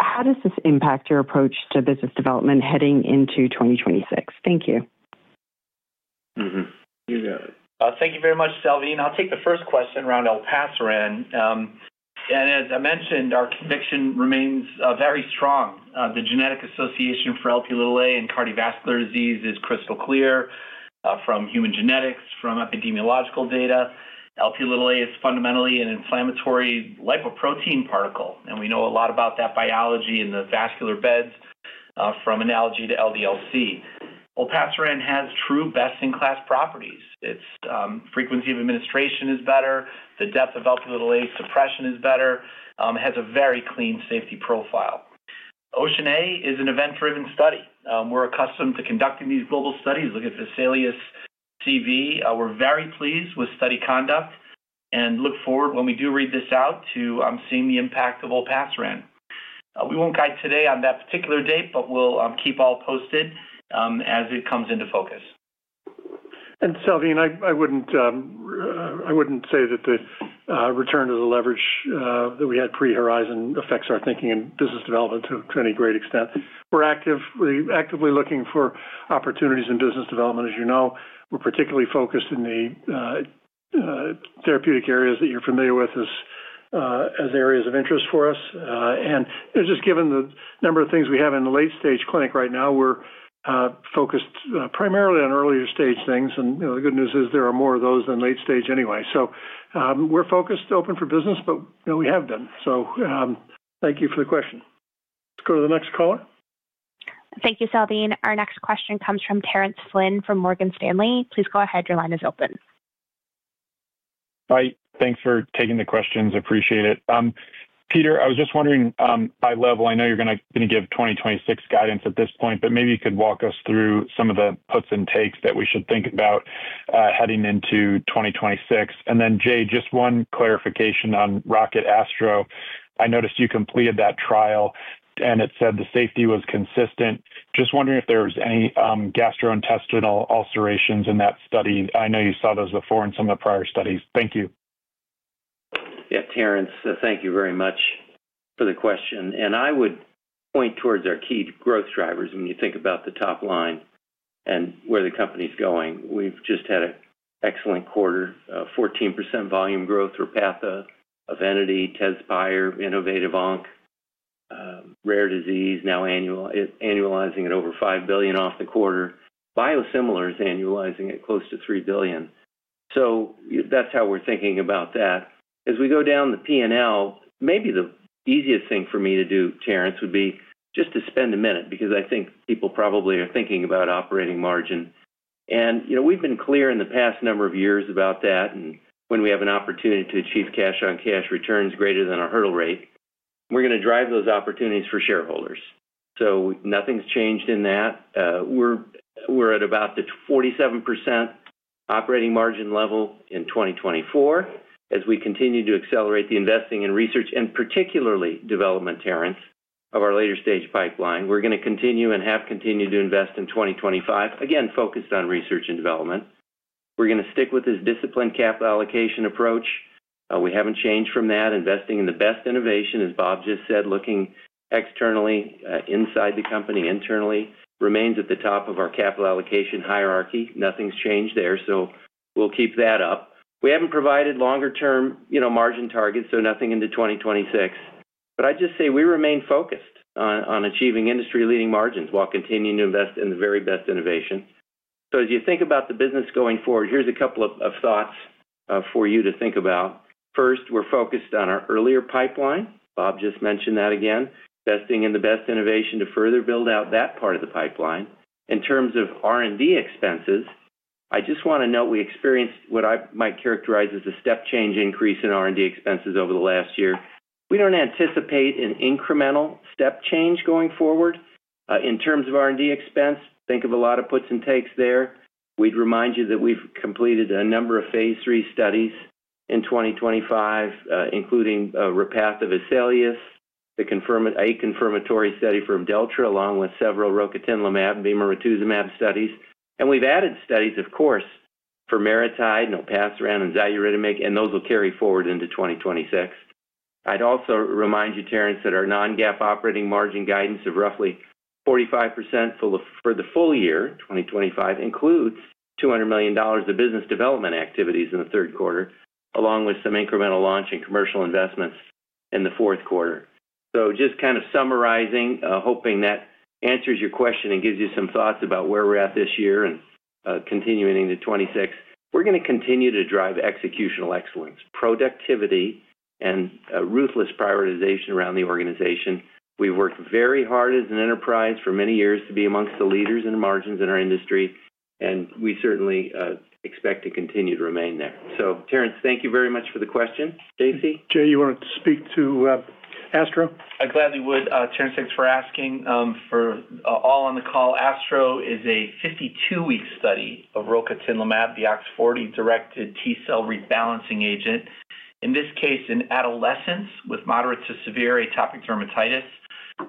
Speaker 7: How does this impact your approach to business development heading into 2026? Thank you.
Speaker 4: Thank you very much, Salveen. I'll take the first question around Olpasiran. And as I mentioned, our conviction remains very strong. The genetic association for Lp(a) in cardiovascular disease is crystal clear from human genetics, from epidemiological data. Lp(a) is fundamentally an inflammatory lipoprotein particle, and we know a lot about that biology in the vascular beds from analogy to LDL-C. Olpasiran has true best-in-class properties. Its frequency of administration is better. The depth of Lp(a) suppression is better. It has a very clean safety profile. Ocean A is an event-driven study. We're accustomed to conducting these global studies, looking at VESALIUS-CV. We're very pleased with study conduct and look forward, when we do read this out, to seeing the impact of Olpasiran. We won't guide today on that particular date, but we'll keep all posted as it comes into focus.
Speaker 3: And Salveen, I wouldn't say that the return to the leverage that we had pre-Horizon affects our thinking and business development to any great extent. We're actively looking for opportunities in business development. As you know, we're particularly focused in the therapeutic areas that you're familiar with as areas of interest for us. And just given the number of things we have in the late-stage clinic right now, we're focused primarily on earlier-stage things. And the good news is there are more of those than late-stage anyway. So we're focused, open for business, but we have been so. Thank you for the question. Let's go to the next caller.
Speaker 1: Thank you, Salveen. Our next question comes from Terence Flynn from Morgan Stanley. Please go ahead. Your line is open.
Speaker 8: Hi. Thanks for taking the questions. Appreciate it. Peter, I was just wondering high level, I know you're going to give 2026 guidance at this point, but maybe you could walk us through some of the puts and takes that we should think about heading into 2026. And then, Jay, just one clarification on ROCKET-ASTRO. I noticed you completed that trial, and it said the safety was consistent. Just wondering if there were any gastrointestinal ulcerations in that study. I know you saw those before in some of the prior studies. Thank you.
Speaker 4: Yeah. Terence, thank you very much for the question. And I would point towards our key growth drivers when you think about the top line and where the company's going. We've just had an excellent quarter, 14% volume growth for Repatha, EVENITY, Tezspire, innovative onc and rare disease, now annualizing at over $5 billion off the quarter. Biosimilars annualizing at close to $3 billion. So that's how we're thinking about that. As we go down the P&L, maybe the easiest thing for me to do, Terence, would be just to spend a minute because I think people probably are thinking about operating margin. And we've been clear in the past number of years about that. And when we have an opportunity to achieve cash-on-cash returns greater than our hurdle rate, we're going to drive those opportunities for shareholders. So nothing's changed in that. We're at about the 47% operating margin level in 2024 as we continue to accelerate the investing in research and particularly development, Terence, of our later-stage pipeline. We're going to continue and have continued to invest in 2025, again, focused on research and development. We're going to stick with this disciplined capital allocation approach. We haven't changed from that. Investing in the best innovation, as Bob just said, looking externally, inside the company, internally, remains at the top of our capital allocation hierarchy. Nothing's changed there. So we'll keep that up. We haven't provided longer-term margin targets, so nothing into 2026. But I'd just say we remain focused on achieving industry-leading margins while continuing to invest in the very best innovation. So as you think about the business going forward, here's a couple of thoughts for you to think about. First, we're focused on our earlier pipeline. Bob just mentioned that again, investing in the best innovation to further build out that part of the pipeline. In terms of R&D expenses, I just want to note we experienced what I might characterize as a step change increase in R&D expenses over the last year. We don't anticipate an incremental step change going forward. In terms of R&D expense, think of a lot of puts and takes there. We'd remind you that we've completed a number of phase 3 studies in 2025, including Repatha-Vesalius, a confirmatory study from Imdelltra, along with several Rocatinlimab, Bemarituzumab studies. And we've added studies, of course, for MariTide, Olpasiran, and Xaluritamig, and those will carry forward into 2026. I'd also remind you, Terence, that our non-GAAP operating margin guidance of roughly 45% for the full year, 2025, includes $200 million of business development activities in the third quarter, along with some incremental launch and commercial investments in the fourth quarter. So just kind of summarizing, hoping that answers your question and gives you some thoughts about where we're at this year and continuing into 2026, we're going to continue to drive executional excellence, productivity, and ruthless prioritization around the organization. We've worked very hard as an enterprise for many years to be amongst the leaders in margins in our industry, and we certainly expect to continue to remain there. So, Terence, thank you very much for the question. Stacey?
Speaker 3: Jay, you wanted to speak to Astro?
Speaker 6: I gladly would. Terence, thanks for asking. For all on the call, Astro is a 52-week study of Rocatinlimab, the OX40-directed T-cell rebalancing agent, in this case, in adolescents with moderate to severe atopic dermatitis.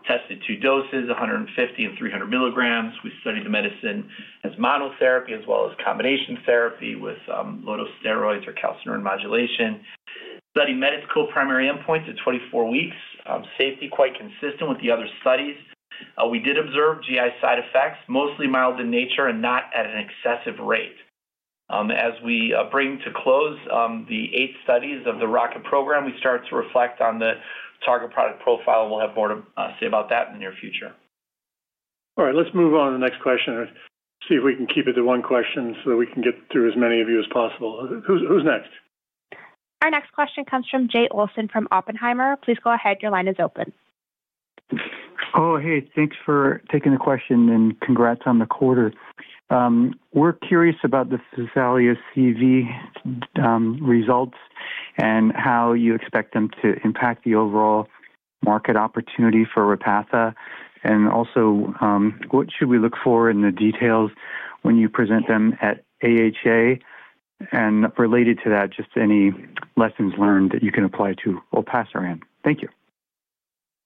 Speaker 6: Tested two doses, 150 mg and 300 mg. We studied the medicine as monotherapy as well as combination therapy with low-dose steroids or calcineurin modulation. Studied medical primary endpoints at 24 weeks. Safety quite consistent with the other studies. We did observe GI side effects, mostly mild in nature and not at an excessive rate. As we bring to close the eight studies of the Rocket program, we start to reflect on the target product profile. We'll have more to say about that in the near future.
Speaker 3: All right. Let's move on to the next question and see if we can keep it to one question so that we can get through as many of you as possible. Who's next?
Speaker 1: Our next question comes from Jay Olson from Oppenheimer. Please go ahead. Your line is open.
Speaker 9: Oh, hey. Thanks for taking the question and congrats on the quarter. We're curious about the VESALIUS-CV results and how you expect them to impact the overall market opportunity for Repatha. And also, what should we look for in the details when you present them at AHA? And related to that, just any lessons learned that you can apply to Olpasiran. Thank you.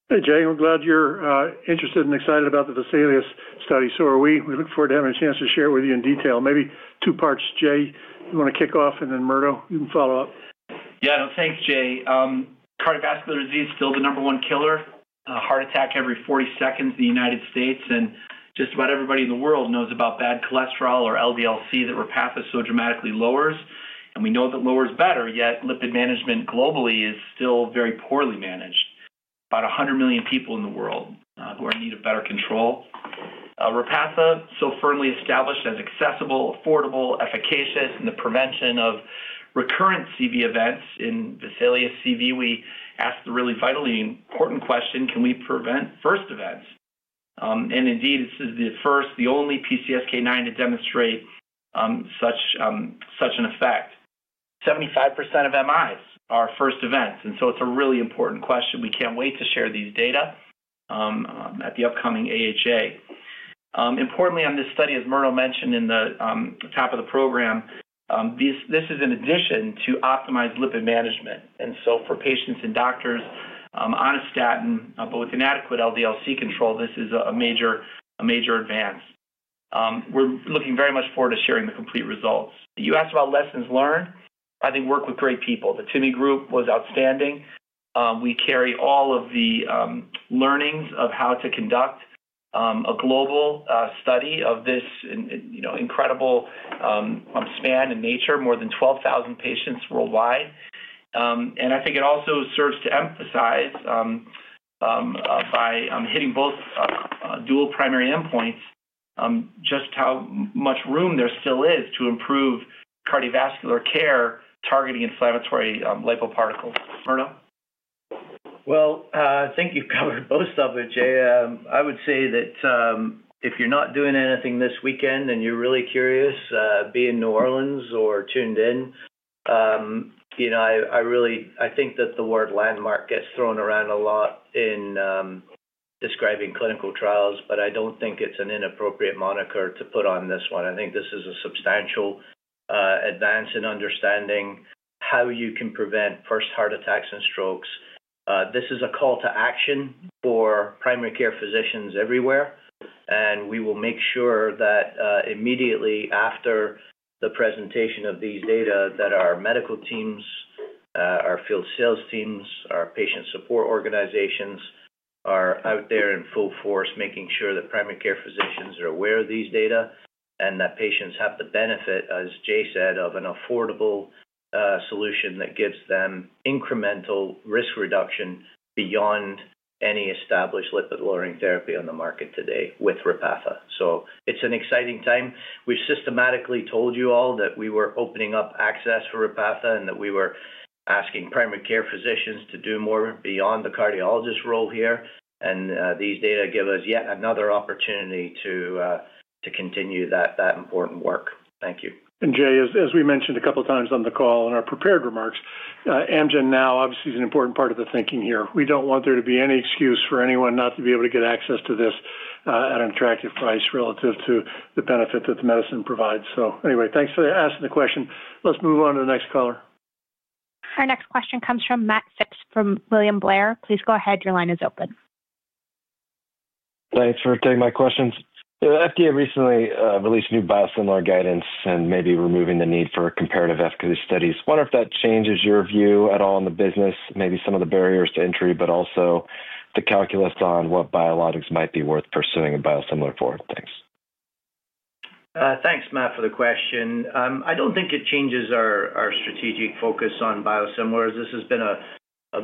Speaker 3: Hey, Jay. We're glad you're interested and excited about the Vesalius study. So are we. We look forward to having a chance to share with you in detail. Maybe two parts. Jay, you want to kick off, and then Murdo, you can follow up.
Speaker 6: Yeah. Thanks, Jay. Cardiovascular disease is still the number one killer. Heart attack every 40 seconds in the United States. And just about everybody in the world knows about bad cholesterol or LDL-C that Repatha so dramatically lowers. And we know that lowers better, yet lipid management globally is still very poorly managed. About 100 million people in the world who are in need of better control. Repatha, so firmly established as accessible, affordable, efficacious in the prevention of recurrent CV events in VESALIUS-CV, we asked the really vitally important question, can we prevent first events? And indeed, this is the first, the only PCSK9 to demonstrate such an effect. 75% of MIs are first events. And so it's a really important question. We can't wait to share these data at the upcoming AHA. Importantly, on this study, as Murdo mentioned in the top of the program, this is in addition to optimized lipid management. And so for patients and doctors, on a statin, but with inadequate LDL-C control, this is a major advance. We're looking very much forward to sharing the complete results. You asked about lessons learned. I think work with great people. The TIMI group was outstanding. We carry all of the learnings of how to conduct a global study of this incredible span in nature, more than 12,000 patients worldwide. And I think it also serves to emphasize by hitting both dual primary endpoints, just how much room there still is to improve cardiovascular care targeting inflammatory lipoproteins. Murdo?
Speaker 5: Well, I think you've covered most of it, Jay. I would say that if you're not doing anything this weekend and you're really curious, be in New Orleans or tuned in. I think that the word landmark gets thrown around a lot in describing clinical trials, but I don't think it's an inappropriate moniker to put on this one. I think this is a substantial advance in understanding how you can prevent first heart attacks and strokes. This is a call to action for primary care physicians everywhere. And we will make sure that immediately after the presentation of these data, that our medical teams, our field sales teams, our patient support organizations are out there in full force making sure that primary care physicians are aware of these data and that patients have the benefit, as Jay said, of an affordable solution that gives them incremental risk reduction beyond any established lipid-lowering therapy on the market today with Repatha. So it's an exciting time. We've systematically told you all that we were opening up access for Repatha and that we were asking primary care physicians to do more beyond the cardiologist role here. And these data give us yet another opportunity to continue that important work. Thank you.
Speaker 3: And Jay, as we mentioned a couple of times on the call in our prepared remarks, AmgenNow obviously is an important part of the thinking here. We don't want there to be any excuse for anyone not to be able to get access to this at an attractive price relative to the benefit that the medicine provides. So anyway, thanks for asking the question. Let's move on to the next caller.
Speaker 1: Our next question comes from Matthew Phipps from William Blair. Please go ahead. Your line is open.
Speaker 10: Thanks for taking my questions. The FDA recently released new biosimilar guidance and maybe removing the need for comparative efficacy studies. Wonder if that changes your view at all in the business, maybe some of the barriers to entry, but also the calculus on what biologics might be worth pursuing a biosimilar for. Thanks.
Speaker 5: Thanks, Matt, for the question. I don't think it changes our strategic focus on biosimilars. This has been a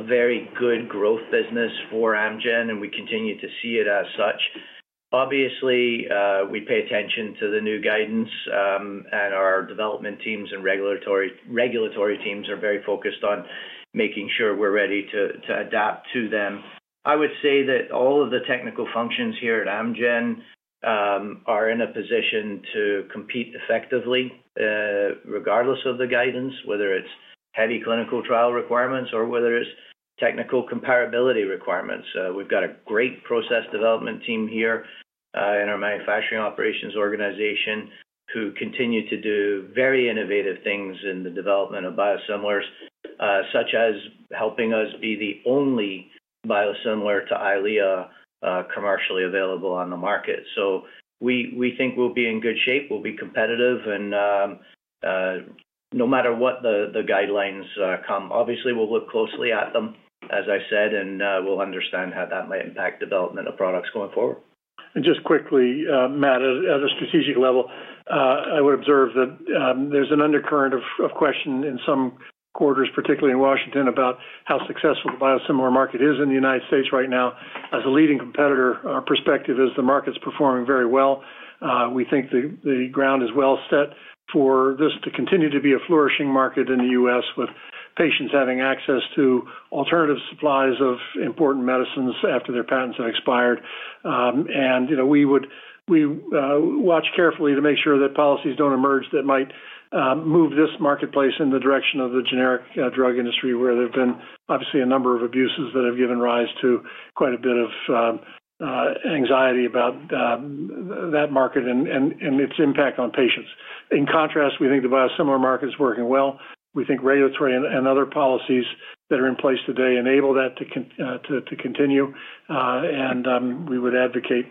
Speaker 5: very good growth business for Amgen, and we continue to see it as such. Obviously, we pay attention to the new guidance, and our development teams and regulatory teams are very focused on making sure we're ready to adapt to them. I would say that all of the technical functions here at Amgen are in a position to compete effectively. Regardless of the guidance, whether it's heavy clinical trial requirements or whether it's technical comparability requirements. We've got a great process development team here in our manufacturing operations organization who continue to do very innovative things in the development of biosimilars, such as helping us be the only biosimilar to Eylea commercially available on the market. So we think we'll be in good shape. We'll be competitive, and no matter what the guidelines come, obviously, we'll look closely at them, as I said, and we'll understand how that might impact development of products going forward.
Speaker 3: And just quickly, Matt, at a strategic level, I would observe that there's an undercurrent of question in some quarters, particularly in Washington, about how successful the biosimilar market is in the United States right now. As a leading competitor, our perspective is the market's performing very well. We think the ground is well set for this to continue to be a flourishing market in the U.S. with patients having access to alternative supplies of important medicines after their patents have expired. And we would watch carefully to make sure that policies don't emerge that might move this marketplace in the direction of the generic drug industry, where there have been obviously a number of abuses that have given rise to quite a bit of anxiety about that market and its impact on patients. In contrast, we think the biosimilar market is working well. We think regulatory and other policies that are in place today enable that to continue. And we would advocate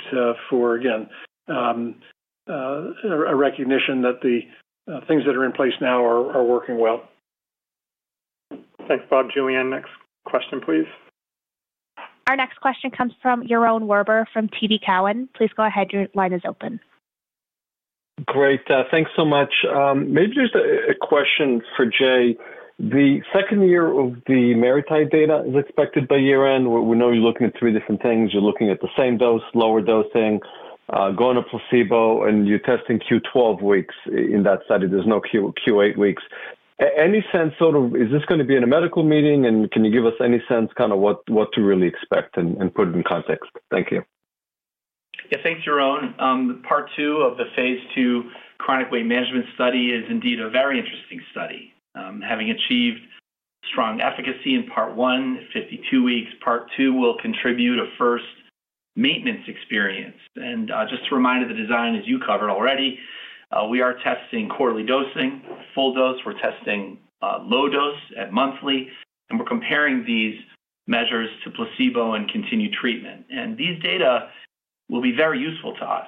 Speaker 3: for, again, a recognition that the things that are in place now are working well.
Speaker 2: Thanks, Bob. Julianne. Next question, please.
Speaker 1: Our next question comes from Yaron Werber from TD Cowen. Please go ahead. Your line is open.
Speaker 11: Great. Thanks so much. Maybe just a question for Jay. The second year of the MariTide data is expected by year-end. We know you're looking at three different things. You're looking at the same dose, lower dosing, going to placebo, and you're testing Q12 weeks in that study. There's no Q8 weeks. Any sense sort of, is this going to be in a medical meeting? And can you give us any sense kind of what to really expect and put it in context? Thank you.
Speaker 6: Yeah, thanks, Yaron. Part two of the phase 2 chronic weight management study is indeed a very interesting study. Having achieved strong efficacy in part one, 52 weeks, part two will contribute a first maintenance experience. And just to remind you, the design, as you covered already, we are testing quarterly dosing, full dose. We're testing low dose at monthly. And we're comparing these measures to placebo and continued treatment. And these data will be very useful to us.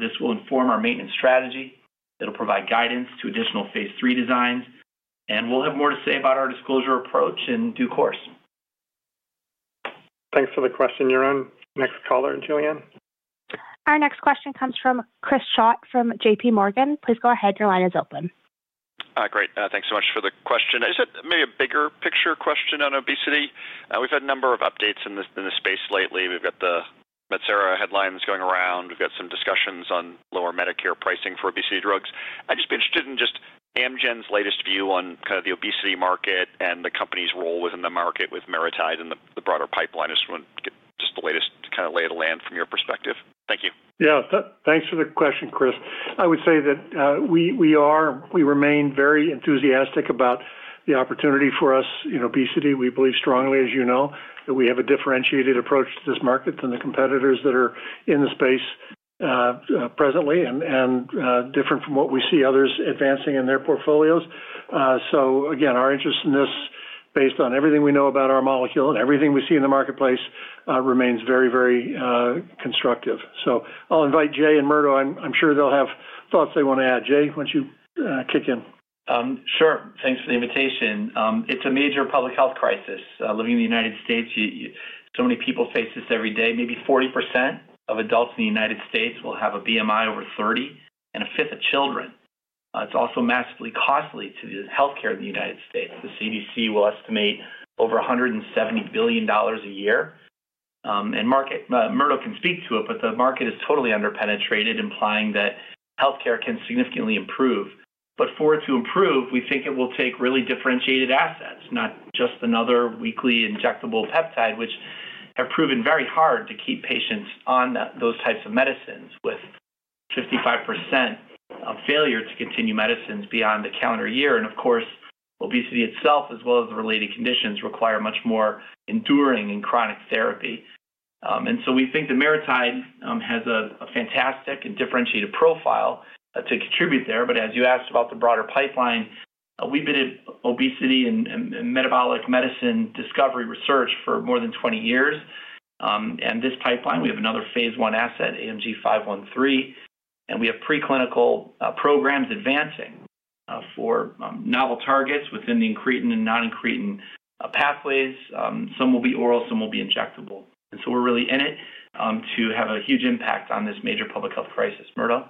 Speaker 6: This will inform our maintenance strategy. It'll provide guidance to additional phase 3 designs. And we'll have more to say about our disclosure approach in due course.
Speaker 2: Thanks for the question, Yaron. Next caller, Julianne.
Speaker 1: Our next question comes from Chris Schott from JPMorgan. Please go ahead. Your line is open.
Speaker 12: Great. Thanks so much for the question. Is it maybe a bigger picture question on obesity? We've had a number of updates in the space lately. We've got the Metsera headlines going around. We've got some discussions on lower Medicare pricing for obesity drugs. I'd just be interested in just Amgen's latest view on kind of the obesity market and the company's role within the market with MariTide and the broader pipeline. I just want to get just the latest kind of lay of the land from your perspective. Thank you.
Speaker 3: Yeah. Thanks for the question, Chris. I would say that we remain very enthusiastic about the opportunity for us in obesity. We believe strongly, as you know, that we have a differentiated approach to this market than the competitors that are in the space presently and different from what we see others advancing in their portfolios. So again, our interest in this, based on everything we know about our molecule and everything we see in the marketplace, remains very, very constructive. So I'll invite Jay and Murdo. I'm sure they'll have thoughts they want to add. Jay, why don't you kick in?
Speaker 6: Sure. Thanks for the invitation. It's a major public health crisis. Living in the United States, so many people face this every day. Maybe 40% of adults in the United States will have a BMI over 30 and a fifth of children. It's also massively costly to the healthcare in the United States. The CDC will estimate over $170 billion a year. And Murdo can speak to it, but the market is totally underpenetrated, implying that healthcare can significantly improve. But for it to improve, we think it will take really differentiated assets, not just another weekly injectable peptide, which have proven very hard to keep patients on those types of medicines with. 55% failure to continue medicines beyond the calendar year. And of course, obesity itself, as well as the related conditions, require much more enduring and chronic therapy. And so we think the MariTide has a fantastic and differentiated profile to contribute there. But as you asked about the broader pipeline, we've been in obesity and metabolic medicine discovery research for more than 20 years. And this pipeline, we have another phase one asset, AMG 513. And we have preclinical programs advancing for novel targets within the incretin and non-incretin pathways. Some will be oral, some will be injectable. And so we're really in it to have a huge impact on this major public health crisis. Murdo.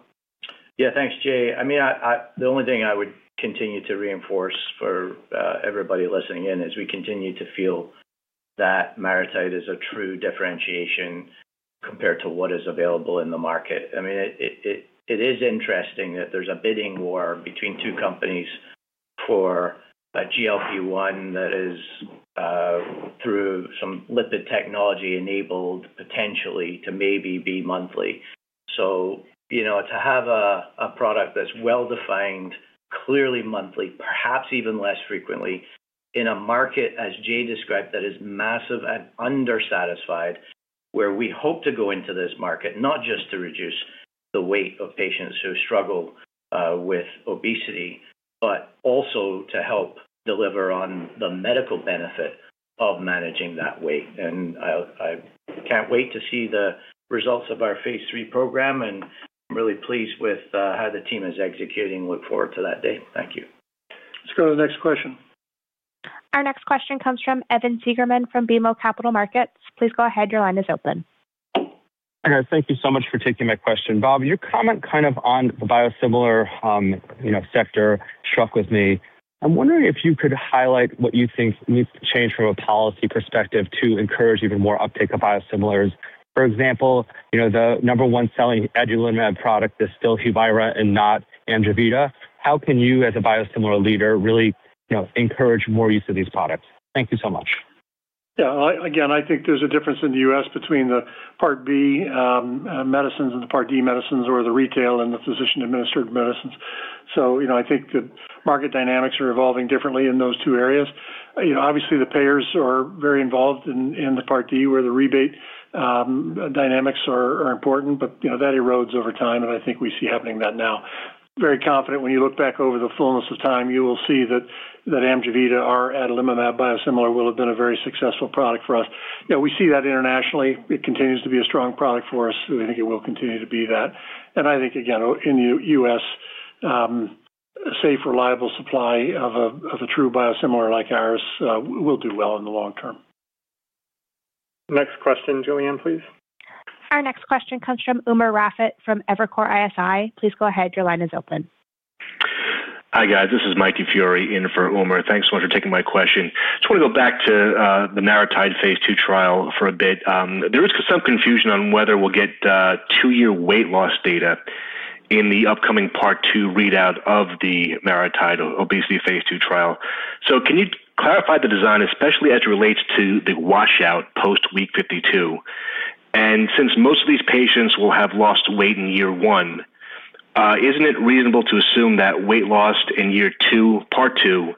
Speaker 5: Yeah, thanks, Jay. I mean, the only thing I would continue to reinforce for everybody listening in is we continue to feel that MariTide is a true differentiation compared to what is available in the market. I mean, it is interesting that there's a bidding war between two companies for a GLP-1 that is through some lipid technology enabled potentially to maybe be monthly. So. To have a product that's well-defined, clearly monthly, perhaps even less frequently in a market, as Jay described, that is massive and under-satisfied, where we hope to go into this market, not just to reduce the weight of patients who struggle with obesity, but also to help deliver on the medical benefit of managing that weight. And I can't wait to see the results of our phase three program. And I'm really pleased with how the team is executing. Look forward to that day. Thank you.
Speaker 3: Let's go to the next question.
Speaker 1: Our next question comes from Evan Seigerman from BMO Capital Markets. Please go ahead. Your line is open.
Speaker 13: Thank you so much for taking my question. Bob, your comment kind of on the biosimilars sector stuck with me. I'm wondering if you could highlight what you think needs to change from a policy perspective to encourage even more uptake of biosimilars. For example, the number one selling adalimumab product is still Humira and not Amjevita. How can you, as a biosimilar leader, really encourage more use of these products? Thank you so much.
Speaker 3: Yeah. Again, I think there's a difference in the U.S. between the Part B medicines and the Part D medicines or the retail and the physician-administered medicines. So I think the market dynamics are evolving differently in those two areas. Obviously, the payers are very involved in the Part D, where the rebate dynamics are important, but that erodes over time, and I think we see happening that now. Very confident when you look back over the fullness of time, you will see that Amjevita, our adalimumab biosimilar, will have been a very successful product for us. Yeah, we see that internationally. It continues to be a strong product for us. We think it will continue to be that. And I think, again, in the U.S. Safe, reliable supply of a true biosimilar like ours will do well in the long term.
Speaker 2: Next question, Julianne, please.
Speaker 1: Our next question comes from Umer Raffat from Evercore ISI. Please go ahead. Your line is open.
Speaker 14: Hi, guys. This is Mike DiFiore in for Umar. Thanks so much for taking my question. I just want to go back to the MariTide phase 2 trial for a bit. There is some confusion on whether we'll get two-year weight loss data in the upcoming part 2 readout of the MariTide obesity phase 2 trial. So can you clarify the design, especially as it relates to the washout post week 52? And since most of these patients will have lost weight in year one, isn't it reasonable to assume that weight loss in year two, part 2,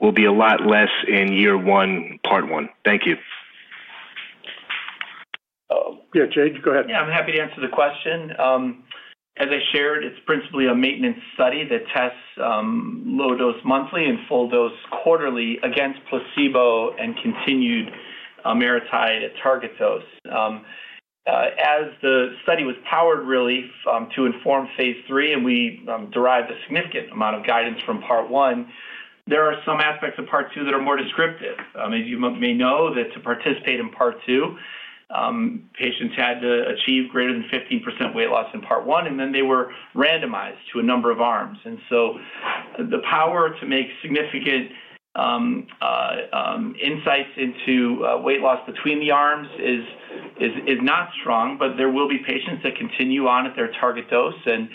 Speaker 14: will be a lot less in year one, part 1? Thank you.
Speaker 3: Yeah, Jay, go ahead.
Speaker 6: Yeah, I'm happy to answer the question. As I shared, it's principally a maintenance study that tests low dose monthly and full dose quarterly against placebo and continued MariTide target dose. As the study was powered really to inform phase 3, and we derived a significant amount of guidance from part one, there are some aspects of part two that are more descriptive. As you may know, that to participate in part two, patients had to achieve greater than 15% weight loss in part one, and then they were randomized to a number of arms. And so the power to make significant insights into weight loss between the arms is not strong, but there will be patients that continue on at their target dose. And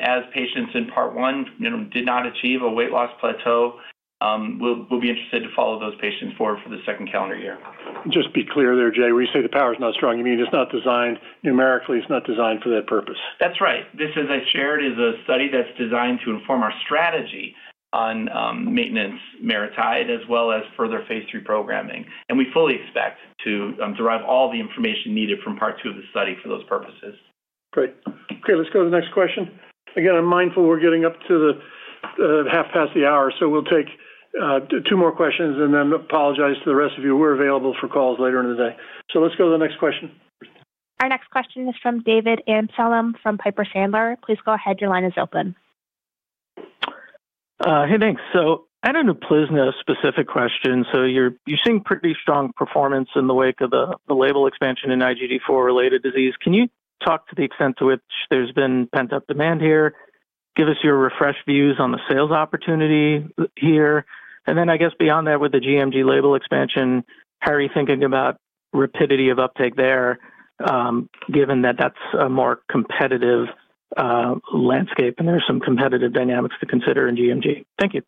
Speaker 6: as patients in part one did not achieve a weight loss plateau. We'll be interested to follow those patients forward for the second calendar year.
Speaker 3: Just be clear there, Jay. When you say the power is not strong, you mean it's not designed numerically, it's not designed for that purpose.
Speaker 6: That's right. This, as I shared, is a study that's designed to inform our strategy on maintenance MariTide, as well as further phase three programming. We fully expect to derive all the information needed from part two of the study for those purposes.
Speaker 3: Great. Okay, let's go to the next question. Again, I'm mindful we're getting up to half past the hour, so we'll take two more questions and then apologize to the rest of you. We're available for calls later in the day. So let's go to the next question.
Speaker 1: Our next question is from David Amsellem from Piper Sandler. Please go ahead. Your line is open.
Speaker 15: Hey, thanks. So I don't know if there's a specific question. So you're seeing pretty strong performance in the wake of the label expansion in IgG4-related disease. Can you talk to the extent to which there's been pent-up demand here? Give us your refreshed views on the sales opportunity here. And then I guess beyond that, with the GMG label expansion, how are you thinking about rapidity of uptake there, given that that's a more competitive landscape and there's some competitive dynamics to consider in GMG? Thank you.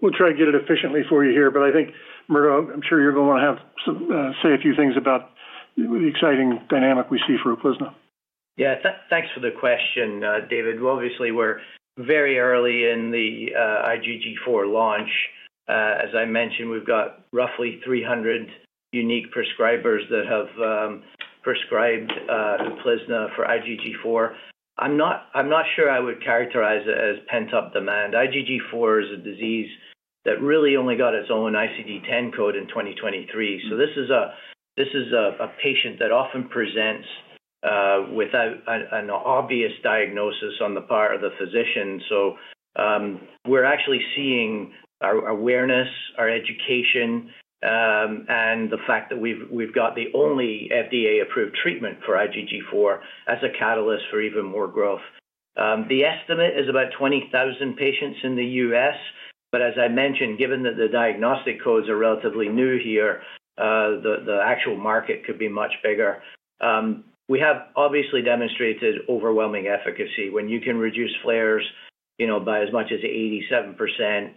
Speaker 3: We'll try to get it efficiently for you here, but I think, Murdo, I'm sure you're going to want to say a few things about the exciting dynamic we see for Uplizna.
Speaker 5: Yeah, thanks for the question, David. Obviously, we're very early in the IgG4 launch. As I mentioned, we've got roughly 300 unique prescribers that have prescribed Uplizna for IgG4. I'm not sure I would characterize it as pent-up demand. IgG4 is a disease that really only got its own ICD-10 code in 2023. So this is a patient that often presents without an obvious diagnosis on the part of the physician. So we're actually seeing our awareness, our education, and the fact that we've got the only FDA-approved treatment for IgG4 as a catalyst for even more growth. The estimate is about 20,000 patients in the U.S., but as I mentioned, given that the diagnostic codes are relatively new here, the actual market could be much bigger. We have obviously demonstrated overwhelming efficacy when you can reduce flares by as much as 87%.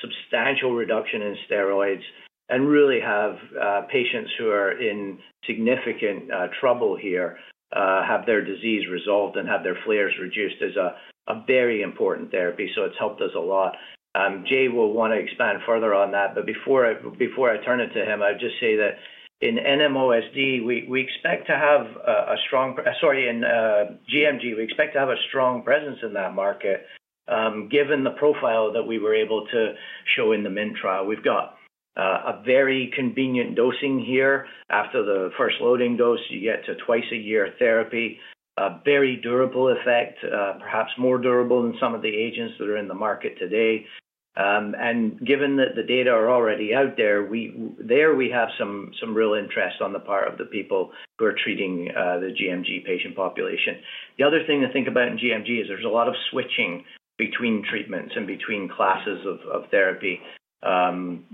Speaker 5: Substantial reduction in steroids, and really have patients who are in significant trouble here have their disease resolved and have their flares reduced is a very important therapy. So it's helped us a lot. Jay will want to expand further on that, but before I turn it to him, I would just say that in NMOSD, we expect to have a strong, sorry, in GMG, we expect to have a strong presence in that market. Given the profile that we were able to show in the MINT trial. We've got a very convenient dosing here. After the first loading dose, you get to twice-a-year therapy, a very durable effect, perhaps more durable than some of the agents that are in the market today. And given that the data are already out there, there we have some real interest on the part of the people who are treating the GMG patient population. The other thing to think about in GMG is there's a lot of switching between treatments and between classes of therapy.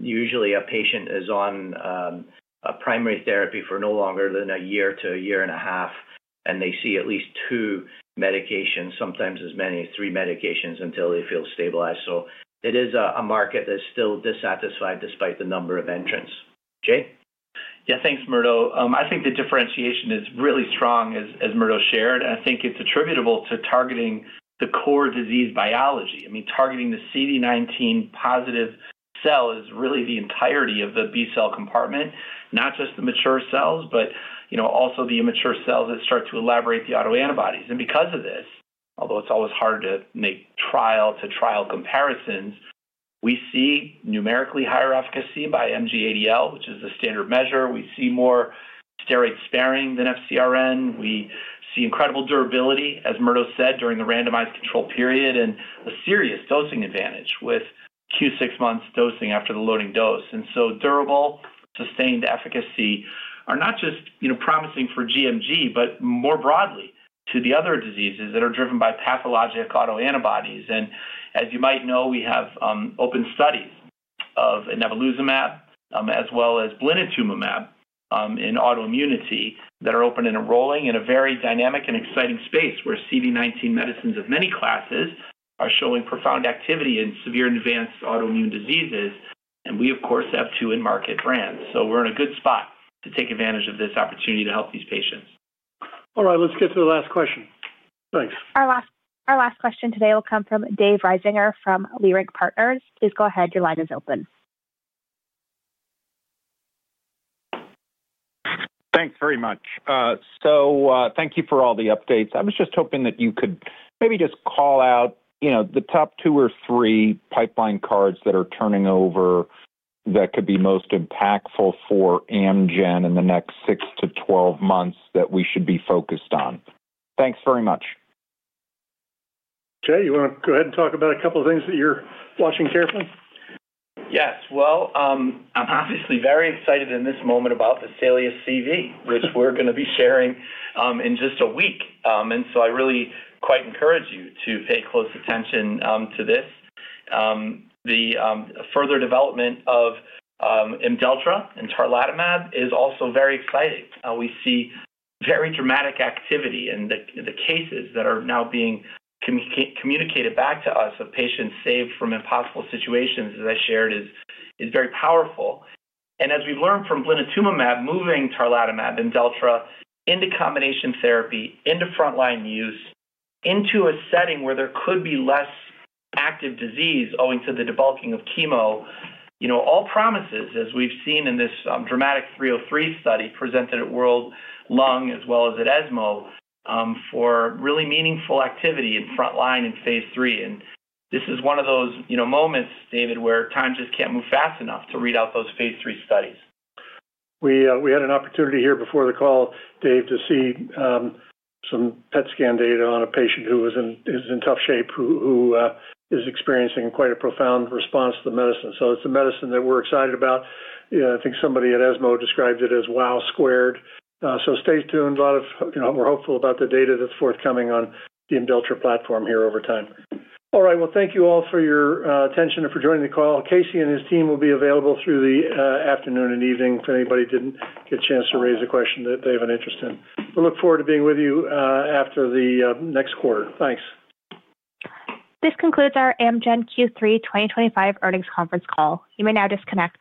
Speaker 5: Usually, a patient is on a primary therapy for no longer than a year to a year and a half, and they see at least two medications, sometimes as many as three medications, until they feel stabilized. So it is a market that's still dissatisfied despite the number of entrants. Jay?
Speaker 6: Yeah, thanks, Murdo. I think the differentiation is really strong, as Murdo shared. I think it's attributable to targeting the core disease biology. I mean, targeting the CD19 positive cell is really the entirety of the B cell compartment, not just the mature cells, but also the immature cells that start to elaborate the autoantibodies. And because of this, although it's always hard to make trial-to-trial comparisons, we see numerically higher efficacy by MGADL, which is the standard measure. We see more steroid sparing than FCRN. We see incredible durability, as Murdo said, during the randomized control period, and a serious dosing advantage with Q6 months dosing after the loading dose. And so durable, sustained efficacy are not just promising for GMG, but more broadly to the other diseases that are driven by pathologic autoantibodies. And as you might know, we have open studies of Inebilizumab, as well as Blinatumomab in autoimmunity that are open and rolling in a very dynamic and exciting space where CD19 medicines of many classes are showing profound activity in severe and advanced autoimmune diseases. And we, of course, have two in-market brands. So we're in a good spot to take advantage of this opportunity to help these patients.
Speaker 3: All right, let's get to the last question. Thanks.
Speaker 1: Our last question today will come from David Risinger from Leerink Partners. Please go ahead. Your line is open.
Speaker 16: Thanks very much. So thank you for all the updates. I was just hoping that you could maybe just call out the top two or three pipeline catalysts that are turning over. That could be most impactful for Amgen in the next six to 12 months that we should be focused on. Thanks very much.
Speaker 3: Jay, you want to go ahead and talk about a couple of things that you're watching carefully?
Speaker 6: Yes. Well, I'm obviously very excited in this moment about the VESALIUS-CV, which we're going to be sharing in just a week. And so I really quite encourage you to pay close attention to this. The further development of Imdelltra and Tarlatamab is also very exciting. We see very dramatic activity in the cases that are now being communicated back to us of patients saved from impossible situations, as I shared, is very powerful. And as we've learned from Blinatumomab, moving Tarlatamab, Imdelltra into combination therapy, into frontline use, into a setting where there could be less active disease owing to the debulking of chemo, all promises, as we've seen in this dramatic 303 study presented at World Lung as well as at ESMO, for really meaningful activity in frontline in phase three. And this is one of those moments, David, where time just can't move fast enough to read out those phase three studies.
Speaker 3: We had an opportunity here before the call, Dave, to see some PET scan data on a patient who is in tough shape, who is experiencing quite a profound response to the medicine. So it's a medicine that we're excited about. I think somebody at ESMO described it as wow squared. So stay tuned. We're hopeful about the data that's forthcoming on the Imdelltra platform here over time. All right. Well, thank you all for your attention and for joining the call. Casey and his team will be available through the afternoon and evening if anybody didn't get a chance to raise a question that they have an interest in. We look forward to being with you after the next quarter. Thanks.
Speaker 1: This concludes our Amgen Q3 2025 earnings conference call. You may now disconnect.